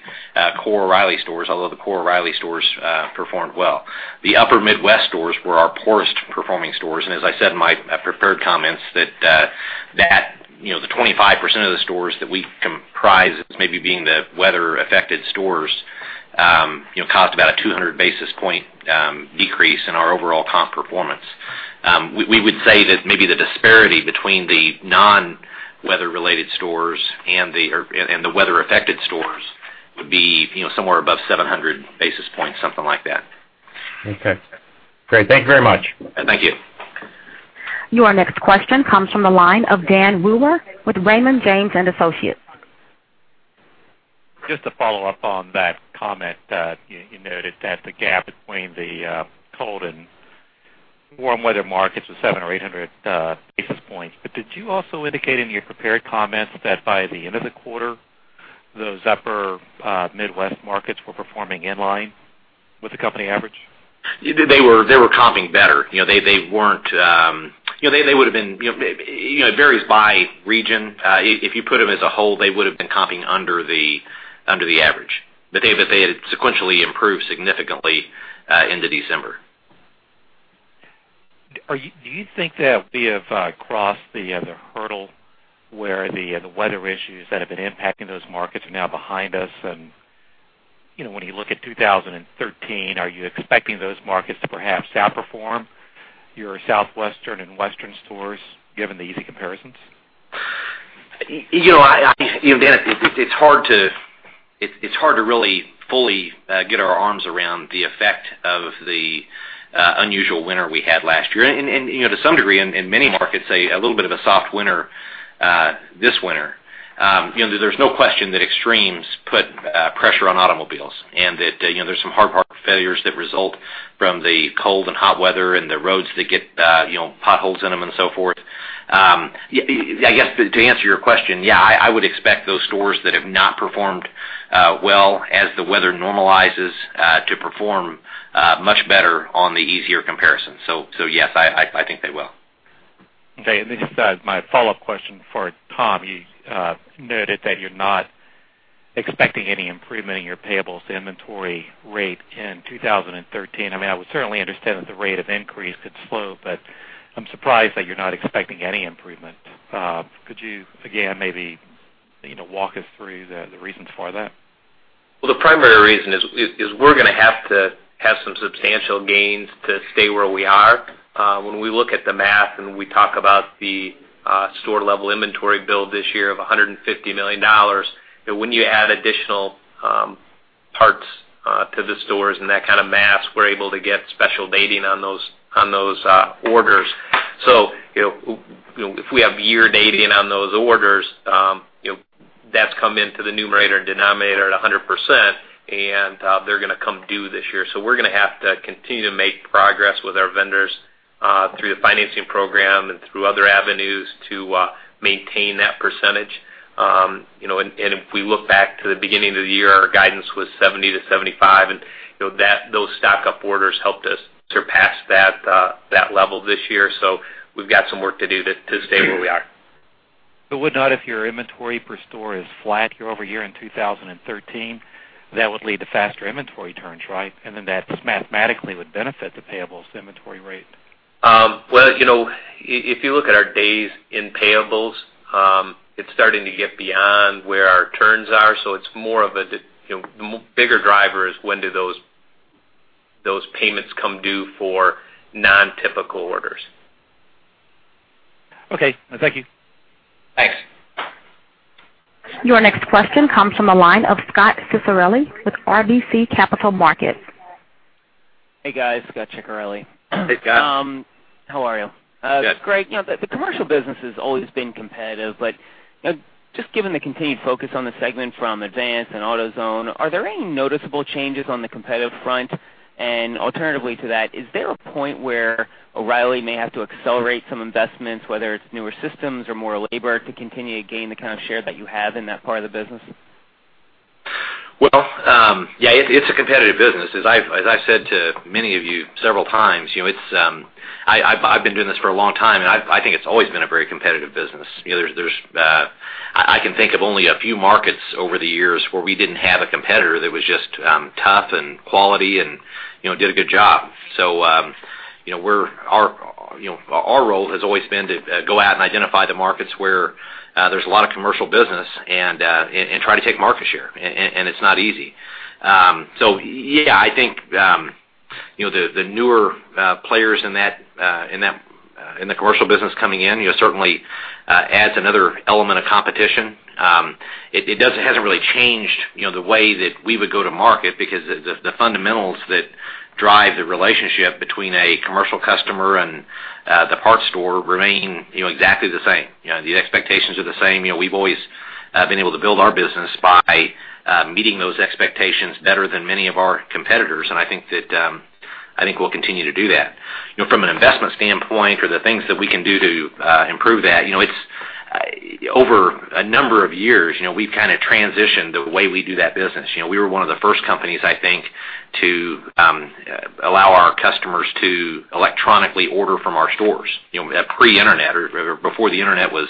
core O'Reilly stores, although the core O'Reilly stores performed well. The Upper Midwest stores were our poorest-performing stores. As I said in my prepared comments, the 25% of the stores that we comprise as maybe being the weather-affected stores caused about a 200 basis point decrease in our overall comp performance. We would say that maybe the disparity between the non-weather-related stores and the weather-affected stores would be somewhere above 700 basis points, something like that. Okay, great. Thank you very much. Thank you. Your next question comes from the line of Dan Wewer with Raymond James & Associates. Just to follow up on that comment, you noted that the gap between the cold and warm weather markets was 700 or 800 basis points. Did you also indicate in your prepared comments that by the end of the quarter, those Upper Midwest markets were performing in line with the company average? They were comping better. It varies by region. If you put them as a whole, they would've been comping under the average. They had sequentially improved significantly into December. Do you think that we have crossed the hurdle where the weather issues that have been impacting those markets are now behind us? When you look at 2013, are you expecting those markets to perhaps outperform your Southwestern and Western stores, given the easy comparisons? Dan, it's hard to really fully get our arms around the effect of the unusual winter we had last year, and to some degree, in many markets, a little bit of a soft winter this winter. There's no question that extremes put pressure on automobiles and that there's some hard part failures that result from the cold and hot weather and the roads that get potholes in them and so forth. I guess to answer your question, yeah, I would expect those stores that have not performed well as the weather normalizes to perform much better on the easier comparison. Yes, I think they will. This is my follow-up question for Tom. You noted that you're not expecting any improvement in your payables inventory rate in 2013. I would certainly understand that the rate of increase could slow, I'm surprised that you're not expecting any improvement. Could you, again, maybe walk us through the reasons for that? Well, the primary reason is we're going to have to have some substantial gains to stay where we are. When we look at the math and we talk about the store-level inventory build this year of $150 million. When you add additional parts to the stores and that kind of mass, we're able to get special dating on those orders. If we have year dating on those orders, that's come into the numerator and denominator at 100%, and they're going to come due this year. We're going to have to continue to make progress with our vendors through the financing program and through other avenues to maintain that percentage. If we look back to the beginning of the year, our guidance was 70%-75%, and those stock-up orders helped us surpass that level this year. We've got some work to do to stay where we are. Would not if your inventory per store is flat year-over-year in 2013, that would lead to faster inventory turns, right? That mathematically would benefit the payables inventory rate. Well, if you look at our days in payables, it's starting to get beyond where our turns are. The bigger driver is when do those payments come due for non-typical orders. Okay. Thank you. Thanks. Your next question comes from the line of Scot Ciccarelli with RBC Capital Markets. Hey, guys. Scot Ciccarelli. Hey, Scot. How are you? Good. Great. The commercial business has always been competitive, but just given the continued focus on the segment from Advance and AutoZone, are there any noticeable changes on the competitive front? Alternatively to that, is there a point where O'Reilly may have to accelerate some investments, whether it's newer systems or more labor, to continue to gain the kind of share that you have in that part of the business? Well, yeah, it's a competitive business. As I've said to many of you several times, I've been doing this for a long time, I think it's always been a very competitive business. I can think of only a few markets over the years where we didn't have a competitor that was just tough and quality and did a good job. Our role has always been to go out and identify the markets where there's a lot of commercial business to try to take market share, it's not easy. Yeah, I think, the newer players in the commercial business coming in certainly adds another element of competition. It hasn't really changed the way that we would go to market because the fundamentals that drive the relationship between a commercial customer and the parts store remain exactly the same. The expectations are the same. We've always been able to build our business by meeting those expectations better than many of our competitors. I think we'll continue to do that. From an investment standpoint or the things that we can do to improve that, over a number of years, we've kind of transitioned the way we do that business. We were one of the first companies, I think, to allow our customers to electronically order from our stores. Pre-internet or before the internet was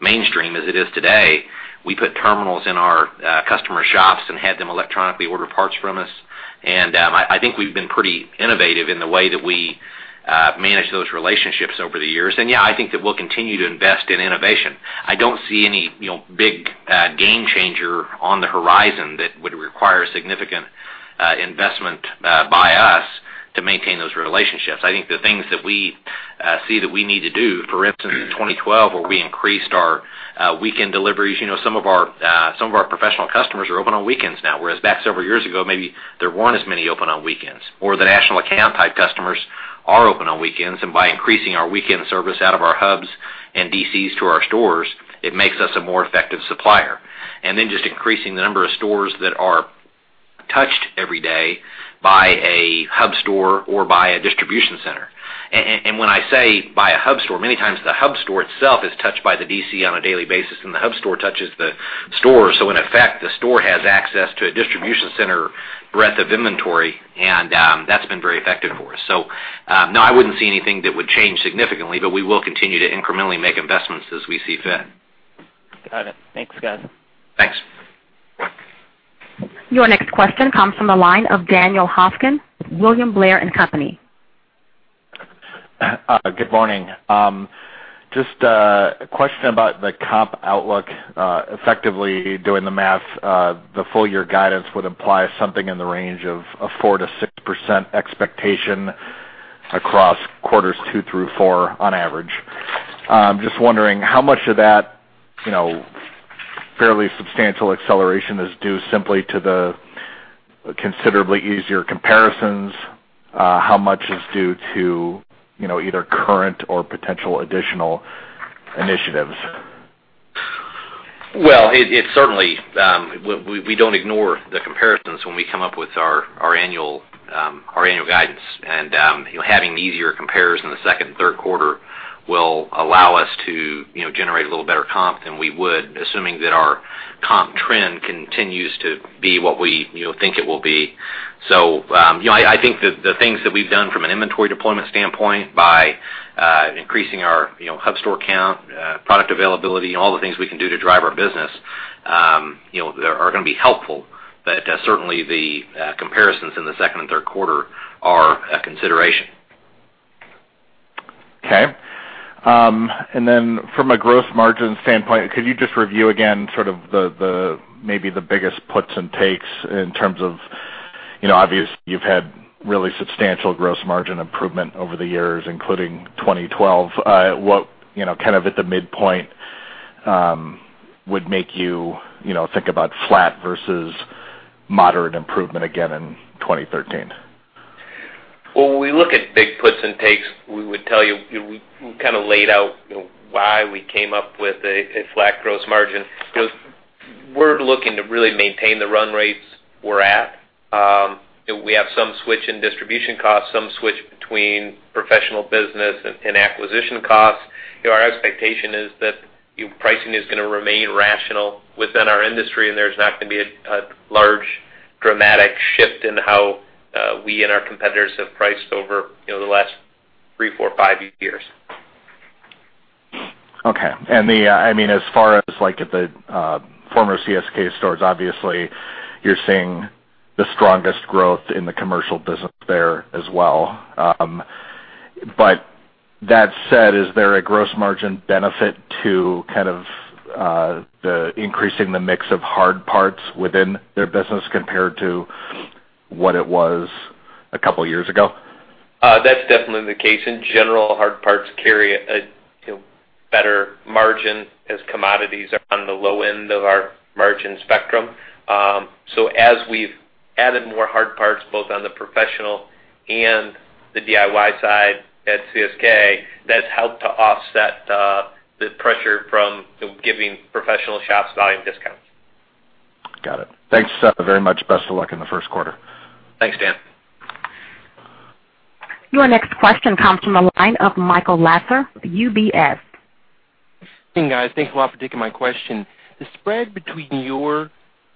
mainstream as it is today, we put terminals in our customer shops and had them electronically order parts from us. I think we've been pretty innovative in the way that we manage those relationships over the years. Yeah, I think that we'll continue to invest in innovation. I don't see any big game changer on the horizon that would require significant investment by us to maintain those relationships. I think the things that we see that we need to do, for instance, in 2012 where we increased our weekend deliveries. Some of our professional customers are open on weekends now, whereas back several years ago, maybe there weren't as many open on weekends. The national account type customers are open on weekends, by increasing our weekend service out of our hubs and DCs to our stores, it makes us a more effective supplier. Just increasing the number of stores that are touched every day by a hub store or by a distribution center. When I say by a hub store, many times the hub store itself is touched by the DC on a daily basis, and the hub store touches the store. In effect, the store has access to a distribution center breadth of inventory. That's been very effective for us. No, I wouldn't see anything that would change significantly. We will continue to incrementally make investments as we see fit. Got it. Thanks, guys. Thanks. Your next question comes from the line of Daniel Hofkin with William Blair & Co. Good morning. Just a question about the comp outlook. Effectively doing the math, the full year guidance would imply something in the range of a 4%-6% expectation across quarters two through four on average. Just wondering, how much of that fairly substantial acceleration is due simply to the considerably easier comparisons? How much is due to either current or potential additional initiatives? Well, we don't ignore the comparisons when we come up with our annual guidance. Having the easier comparison in the second and third quarter will allow us to generate a little better comp than we would, assuming that our comp trend continues to be what we think it will be. I think that the things that we've done from an inventory deployment standpoint by increasing our hub store count, product availability, all the things we can do to drive our business are going to be helpful. Certainly the comparisons in the second and third quarter are a consideration. Okay. Then from a gross margin standpoint, could you just review again sort of maybe the biggest puts and takes in terms of, obviously you've had really substantial gross margin improvement over the years, including 2012. What, kind of at the midpoint would make you think about flat versus moderate improvement again in 2013? Well, when we look at big puts and takes, we would tell you, we kind of laid out why we came up with a flat gross margin. We're looking to really maintain the run rates we're at. We have some switch in distribution costs, some switch between professional business and acquisition costs. Our expectation is that pricing is going to remain rational within our industry, and there's not going to be a large dramatic shift in how we and our competitors have priced over the last three, four, five years. Okay. As far as like at the former CSK stores, obviously you're seeing the strongest growth in the commercial business there as well. That said, is there a gross margin benefit to kind of increasing the mix of hard parts within their business compared to What it was a couple of years ago? That's definitely the case. In general, hard parts carry a better margin, as commodities are on the low end of our margin spectrum. As we've added more hard parts, both on the professional and the DIY side at CSK, that's helped to offset the pressure from giving professional shops volume discounts. Got it. Thanks very much. Best of luck in the first quarter. Thanks, Dan. Your next question comes from the line of Michael Lasser, UBS. Hey, guys. Thanks a lot for taking my question. The spread between your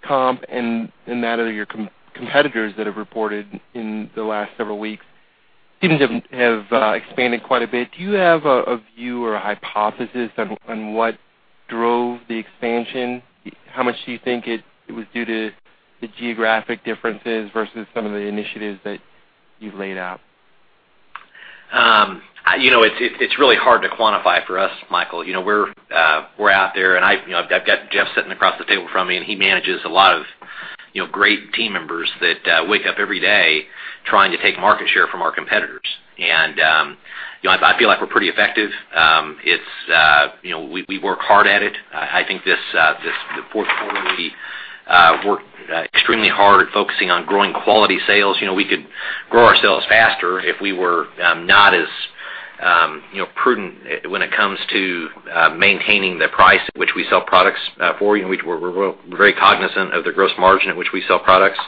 comp and that of your competitors that have reported in the last several weeks seems to have expanded quite a bit. Do you have a view or a hypothesis on what drove the expansion? How much do you think it was due to the geographic differences versus some of the initiatives that you've laid out? It's really hard to quantify for us, Michael Lasser. We're out there, and I've got Jeff Shaw sitting across the table from me, and he manages a lot of great team members that wake up every day trying to take market share from our competitors. I feel like we're pretty effective. We work hard at it. I think the fourth quarter, we worked extremely hard focusing on growing quality sales. We could grow our sales faster if we were not as prudent when it comes to maintaining the price at which we sell products for. We're very cognizant of the gross margin at which we sell products.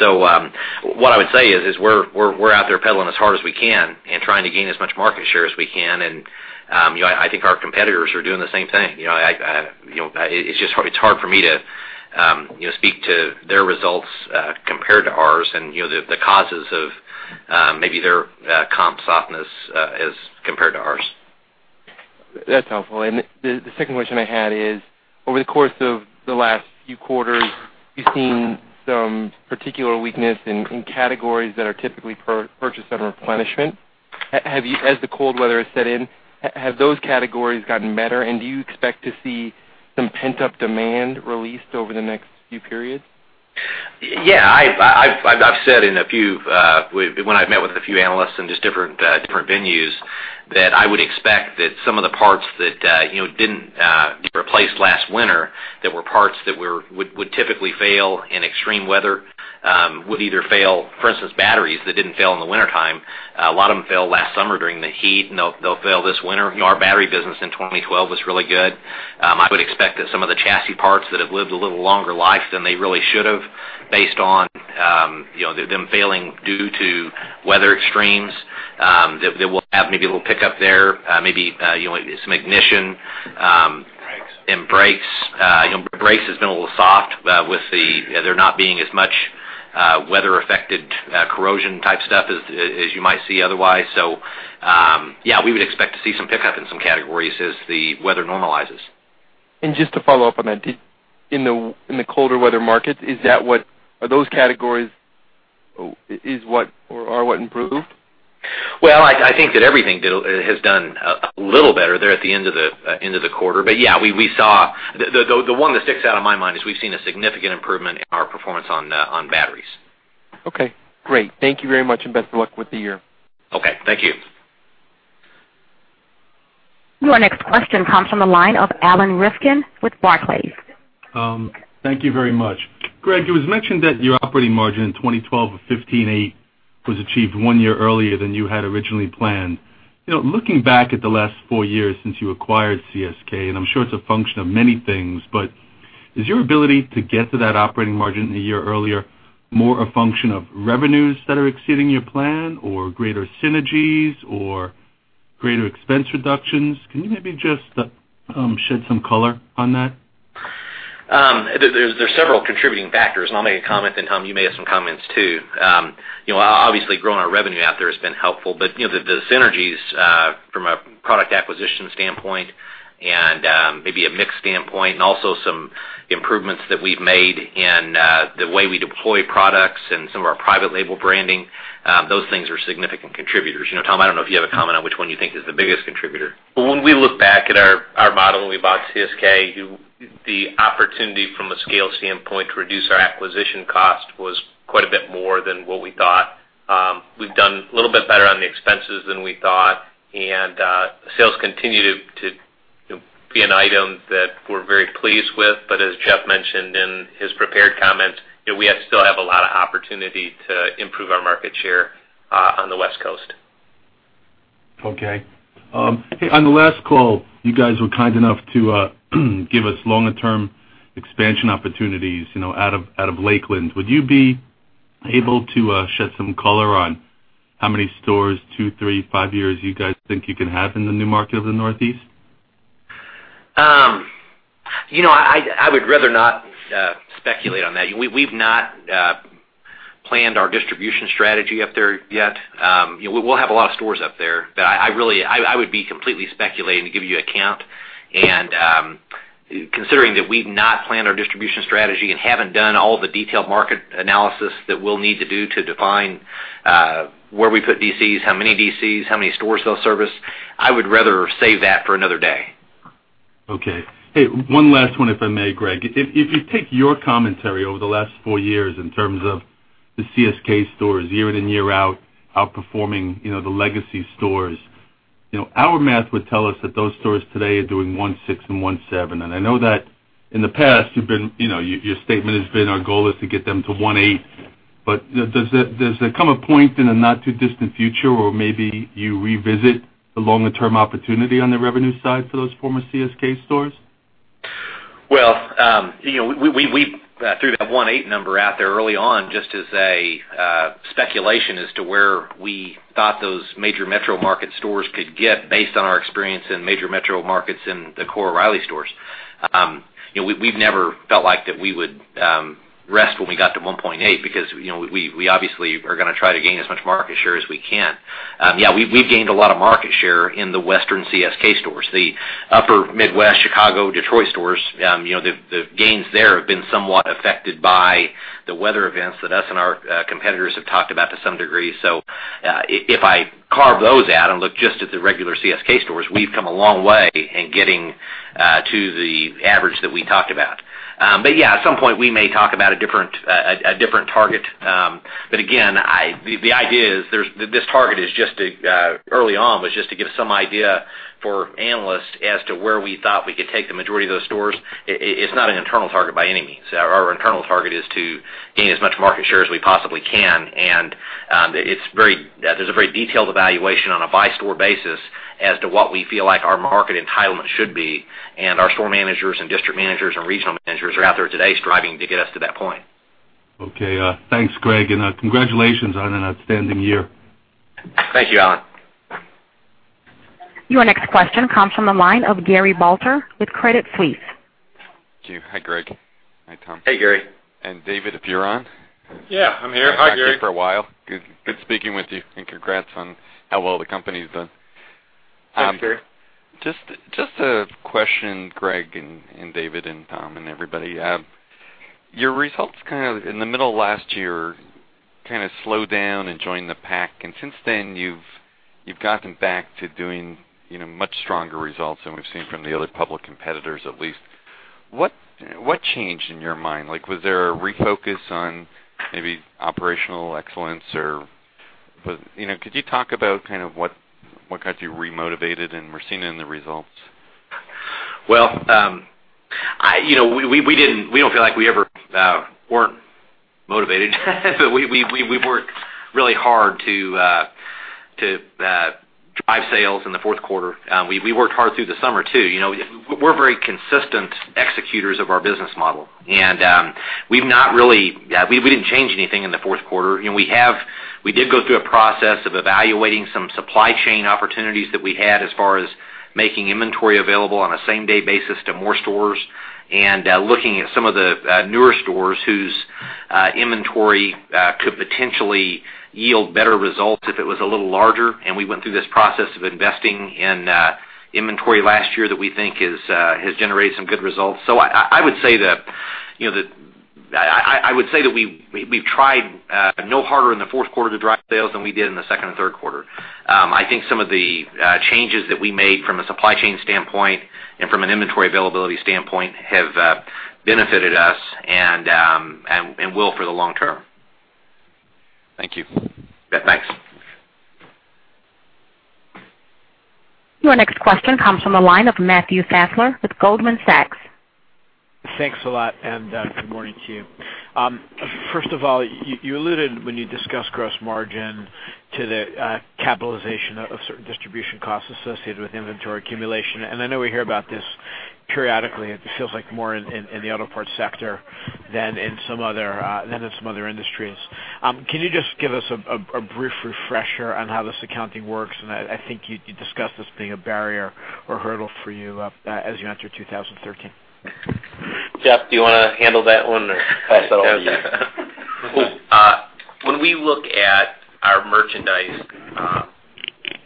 What I would say is we're out there pedaling as hard as we can and trying to gain as much market share as we can. I think our competitors are doing the same thing. It's hard for me to speak to their results compared to ours and the causes of maybe their comp softness as compared to ours. That's helpful. The second question I had is, over the course of the last few quarters, you've seen some particular weakness in categories that are typically purchased at replenishment. As the cold weather has set in, have those categories gotten better? Do you expect to see some pent-up demand released over the next few periods? Yeah. I've said when I've met with a few analysts in just different venues, that I would expect that some of the parts that didn't get replaced last winter, that were parts that would typically fail in extreme weather, would either fail. For instance, batteries that didn't fail in the wintertime, a lot of them failed last summer during the heat, and they'll fail this winter. Our battery business in 2012 was really good. I would expect that some of the chassis parts that have lived a little longer life than they really should have based on them failing due to weather extremes, that we'll have maybe a little pickup there, maybe some ignition. Brakes. Brakes. Brakes has been a little soft with there not being as much weather-affected corrosion type stuff as you might see otherwise. Yeah, we would expect to see some pickup in some categories as the weather normalizes. Just to follow up on that, in the colder weather markets, are those categories what improved? Well, I think that everything has done a little better there at the end of the quarter. Yeah, the one that sticks out in my mind is we've seen a significant improvement in our performance on batteries. Okay, great. Thank you very much, and best of luck with the year. Okay. Thank you. Your next question comes from the line of Alan Rifkin with Barclays. Thank you very much. Greg, it was mentioned that your operating margin in 2012 of 15.8% was achieved one year earlier than you had originally planned. Looking back at the last four years since you acquired CSK, and I'm sure it's a function of many things, but is your ability to get to that operating margin a year earlier more a function of revenues that are exceeding your plan or greater synergies or greater expense reductions? Can you maybe just shed some color on that? There's several contributing factors, and I'll make a comment, then Tom, you may have some comments too. Obviously, growing our revenue out there has been helpful, but the synergies from a product acquisition standpoint and maybe a mix standpoint and also some improvements that we've made in the way we deploy products and some of our private label branding, those things are significant contributors. Tom, I don't know if you have a comment on which one you think is the biggest contributor. When we look back at our model when we bought CSK, the opportunity from a scale standpoint to reduce our acquisition cost was quite a bit more than what we thought. We've done a little bit better on the expenses than we thought, and sales continue to be an item that we're very pleased with. As Jeff mentioned in his prepared comments, we still have a lot of opportunity to improve our market share on the West Coast. Okay. Hey, on the last call, you guys were kind enough to give us longer-term expansion opportunities out of Lakeland. Would you be able to shed some color on how many stores, two, three, five years, you guys think you can have in the new market of the Northeast? I would rather not speculate on that. We've not planned our distribution strategy up there yet. We'll have a lot of stores up there, I would be completely speculating to give you a count. Considering that we've not planned our distribution strategy and haven't done all the detailed market analysis that we'll need to do to define where we put DCs, how many DCs, how many stores they'll service, I would rather save that for another day. Okay. Hey, one last one, if I may, Greg. If you take your commentary over the last four years in terms of the CSK stores year in and year out, outperforming the legacy stores. Our math would tell us that those stores today are doing one six and one seven, and I know that in the past your statement has been, our goal is to get them to one eight. Does there come a point in the not-too-distant future where maybe you revisit the longer-term opportunity on the revenue side for those former CSK stores? We threw that 1.8 number out there early on just as a speculation as to where we thought those major metro market stores could get based on our experience in major metro markets in the core O’Reilly stores. We have never felt like that we would rest when we got to 1.8 because we obviously are going to try to gain as much market share as we can. Yeah, we have gained a lot of market share in the Western CSK stores. The Upper Midwest, Chicago, Detroit stores, the gains there have been somewhat affected by the weather events that us and our competitors have talked about to some degree. If I carve those out and look just at the regular CSK stores, we have come a long way in getting to the average that we talked about. Yeah, at some point we may talk about a different target. Again, the idea is this target early on was just to give some idea for analysts as to where we thought we could take the majority of those stores. It's not an internal target by any means. Our internal target is to gain as much market share as we possibly can, and there's a very detailed evaluation on a by-store basis as to what we feel like our market entitlement should be, and our store managers and District Managers and Regional Managers are out there today striving to get us to that point. Okay, thanks Greg, congratulations on an outstanding year. Thank you, Alan. Your next question comes from the line of Gary Balter with Credit Suisse. Thank you. Hi, Greg. Hi, Tom. Hey, Gary. David, if you're on. Yeah, I'm here. Hi, Gary. Haven't talked to you for a while. Good speaking with you and congrats on how well the company's done. Thanks, Gary. Just a question, Greg and David and Tom and everybody. Your results kind of in the middle of last year kind of slowed down and joined the pack, and since then, you've gotten back to doing much stronger results than we've seen from the other public competitors, at least. What changed in your mind? Like, was there a refocus on maybe operational excellence? Could you talk about what got you re-motivated and we're seeing it in the results? Well, we don't feel like we ever weren't motivated, we worked really hard to drive sales in the fourth quarter. We worked hard through the summer, too. We're very consistent executors of our business model, we didn't change anything in the fourth quarter. We did go through a process of evaluating some supply chain opportunities that we had as far as making inventory available on a same-day basis to more stores and looking at some of the newer stores whose inventory could potentially yield better results if it was a little larger, we went through this process of investing in inventory last year that we think has generated some good results. I would say that we've tried no harder in the fourth quarter to drive sales than we did in the second and third quarter. I think some of the changes that we made from a supply chain standpoint and from an inventory availability standpoint have benefited us and will for the long term. Thank you. Yeah, thanks. Your next question comes from the line of Matthew Fassler with Goldman Sachs. Thanks a lot, and good morning to you. First of all, you alluded when you discussed gross margin to the capitalization of certain distribution costs associated with inventory accumulation, I know we hear about this periodically. It feels like more in the auto parts sector than in some other industries. Can you just give us a brief refresher on how this accounting works? I think you discussed this being a barrier or hurdle for you as you enter 2013. Jeff, do you want to handle that one or pass it on to you? When we look at our merchandise,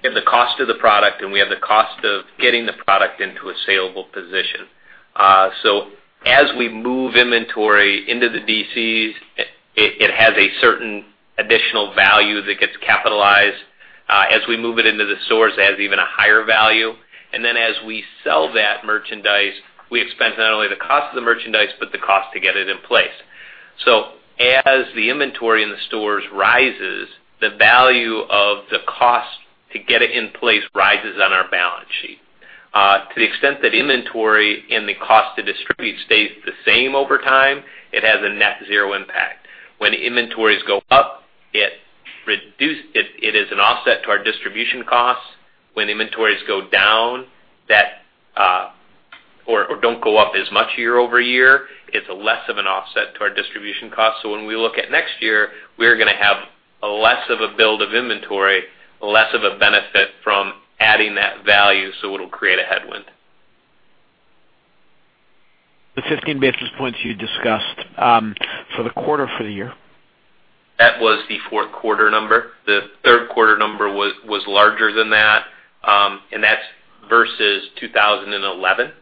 we have the cost of the product and we have the cost of getting the product into a saleable position. As we move inventory into the DCs, it has a certain additional value that gets capitalized. As we move it into the stores, it has even a higher value. As we sell that merchandise, we expense not only the cost of the merchandise, but the cost to get it in place. As the inventory in the stores rises, the value of the cost to get it in place rises on our balance sheet. To the extent that inventory and the cost to distribute stays the same over time, it has a net zero impact. When inventories go up, it is an offset to our distribution costs. When inventories go down or don't go up as much year-over-year, it's less of an offset to our distribution costs. When we look at next year, we are going to have less of a build of inventory, less of a benefit from adding that value, it'll create a headwind. The 15 basis points you discussed for the quarter, for the year. That was the fourth quarter number. The third quarter number was larger than that's versus 2011.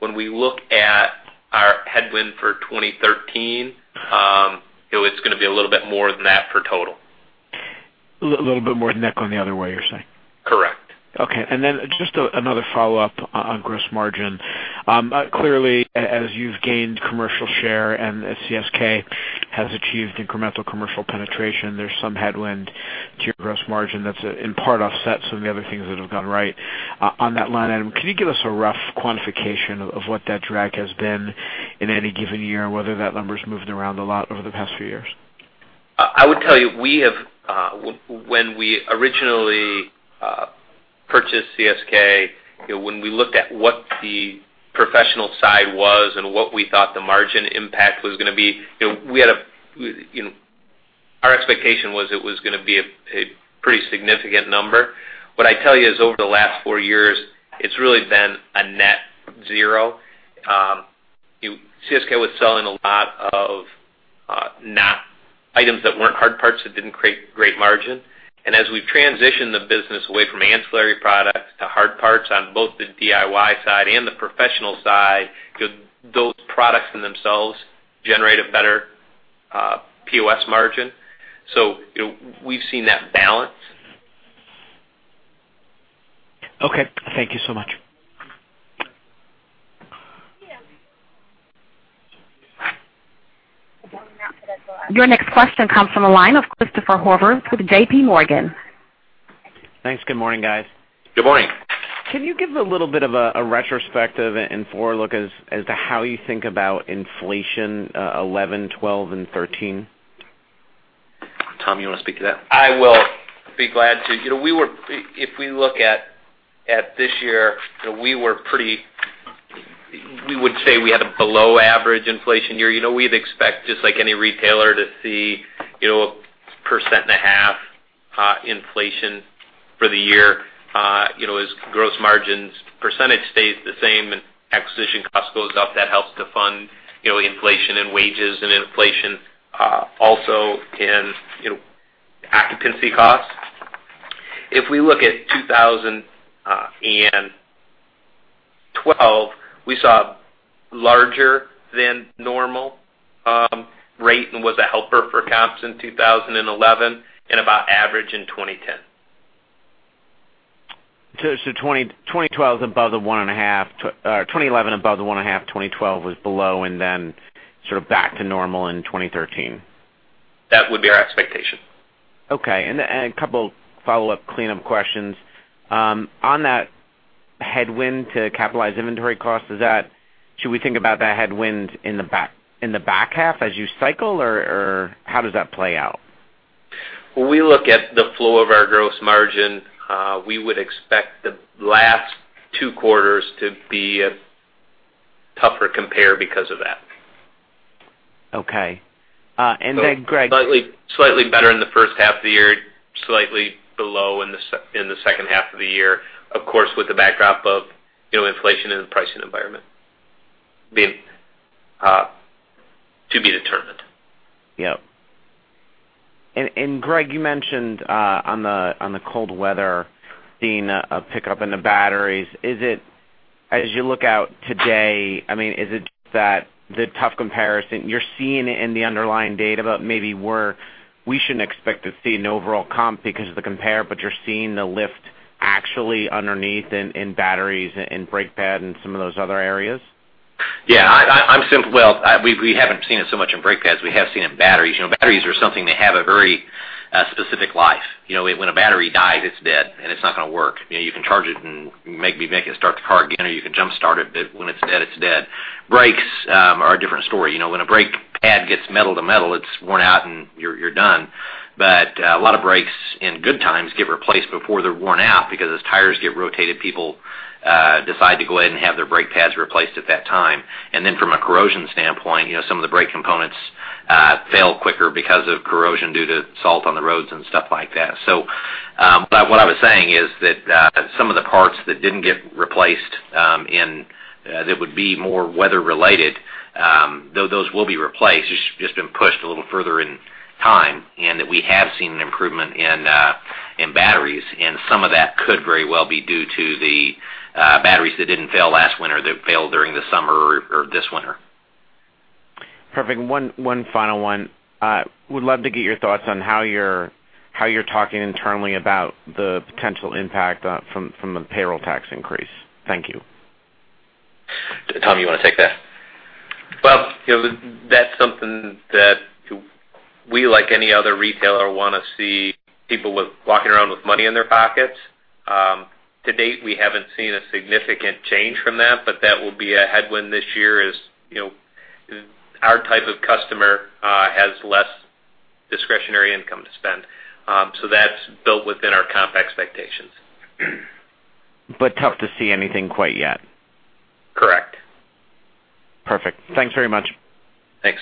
When we look at our headwind for 2013, it's going to be a little bit more than that for total. A little bit more nickel in the other way, you're saying? Correct. Okay. Just another follow-up on gross margin. Clearly, as you've gained commercial share and CSK has achieved incremental commercial penetration, there's some headwind to your gross margin that in part offsets some of the other things that have gone right. On that line item, can you give us a rough quantification of what that drag has been in any given year, whether that number's moved around a lot over the past few years? I would tell you, when we originally purchased CSK, when we looked at what the professional side was and what we thought the margin impact was going to be, our expectation was it was going to be a pretty significant number. What I tell you is over the last four years, it's really been a net zero. CSK was selling a lot of items that weren't hard parts, that didn't create great margin. As we've transitioned the business away from ancillary products to hard parts on both the DIY side and the professional side, those products in themselves generate a better POS margin. We've seen that balance. Okay. Thank you so much. Your next question comes from the line of Christopher Horvers with JPMorgan. Thanks. Good morning, guys. Good morning. Can you give a little bit of a retrospective and forward look as to how you think about inflation, 2011, 2012, and 2013? Tom, you want to speak to that? I will be glad to. If we look at this year, we would say we had a below average inflation year. We'd expect, just like any retailer, to see 1.5% inflation for the year. As gross margins percentage stays the same and acquisition cost goes up, that helps to fund inflation in wages and inflation also in occupancy costs. If we look at 2012, we saw larger than normal rate and was a helper for comps in 2011 and about average in 2010. 2011 above the 1.5%, 2012 was below, and then sort of back to normal in 2013. That would be our expectation. A couple follow-up cleanup questions. On that headwind to capitalized inventory cost, should we think about that headwind in the back half as you cycle, or how does that play out? When we look at the flow of our gross margin, we would expect the last two quarters to be a tougher compare because of that. Okay. Then, Greg- Slightly better in the first half of the year, slightly below in the second half of the year. Of course, with the backdrop of inflation and the pricing environment to be determined. Yep. Greg, you mentioned on the cold weather seeing a pickup in the batteries. As you look out today, is it that the tough comparison, you're seeing it in the underlying data, but maybe we shouldn't expect to see an overall comp because of the compare, but you're seeing the lift actually underneath in batteries and brake pad and some of those other areas? Yeah. Well, we haven't seen it so much in brake pads. We have seen it in batteries. Batteries are something that have a very specific life. When a battery dies, it's dead, and it's not going to work. You can charge it and maybe make it start the car again, or you can jumpstart it, but when it's dead, it's dead. Brakes are a different story. When a brake pad gets metal to metal, it's worn out and you're done. A lot of brakes in good times get replaced before they're worn out because as tires get rotated, people decide to go ahead and have their brake pads replaced at that time. Then from a corrosion standpoint, some of the brake components fail quicker because of corrosion due to salt on the roads and stuff like that. What I was saying is that some of the parts that didn't get replaced, that would be more weather related, those will be replaced. It's just been pushed a little further in time, that we have seen an improvement in batteries, some of that could very well be due to the batteries that didn't fail last winter that failed during the summer or this winter. Perfect. One final one. Would love to get your thoughts on how you're talking internally about the potential impact from the payroll tax increase. Thank you. Tom, you want to take that? That's something that we, like any other retailer, want to see people walking around with money in their pockets. To date, we haven't seen a significant change from that, but that will be a headwind this year, as our type of customer has less discretionary income to spend. That's built within our comp expectations. Tough to see anything quite yet. Correct. Perfect. Thanks very much. Thanks.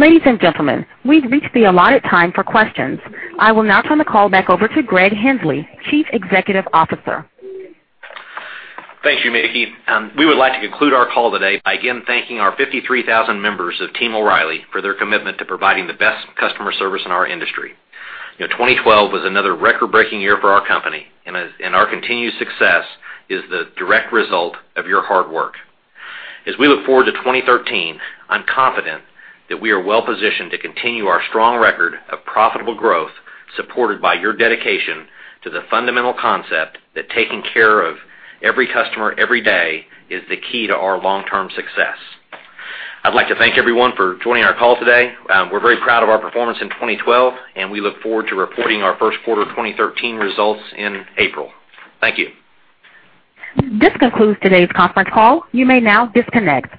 Ladies and gentlemen, we've reached the allotted time for questions. I will now turn the call back over to Greg Henslee, Chief Executive Officer. Thanks, Yumiki. We would like to conclude our call today by again thanking our 53,000 members of Team O'Reilly for their commitment to providing the best customer service in our industry. 2012 was another record-breaking year for our company, and our continued success is the direct result of your hard work. As we look forward to 2013, I'm confident that we are well-positioned to continue our strong record of profitable growth, supported by your dedication to the fundamental concept that taking care of every customer every day is the key to our long-term success. I'd like to thank everyone for joining our call today. We're very proud of our performance in 2012, and we look forward to reporting our first quarter 2013 results in April. Thank you. This concludes today's conference call. You may now disconnect.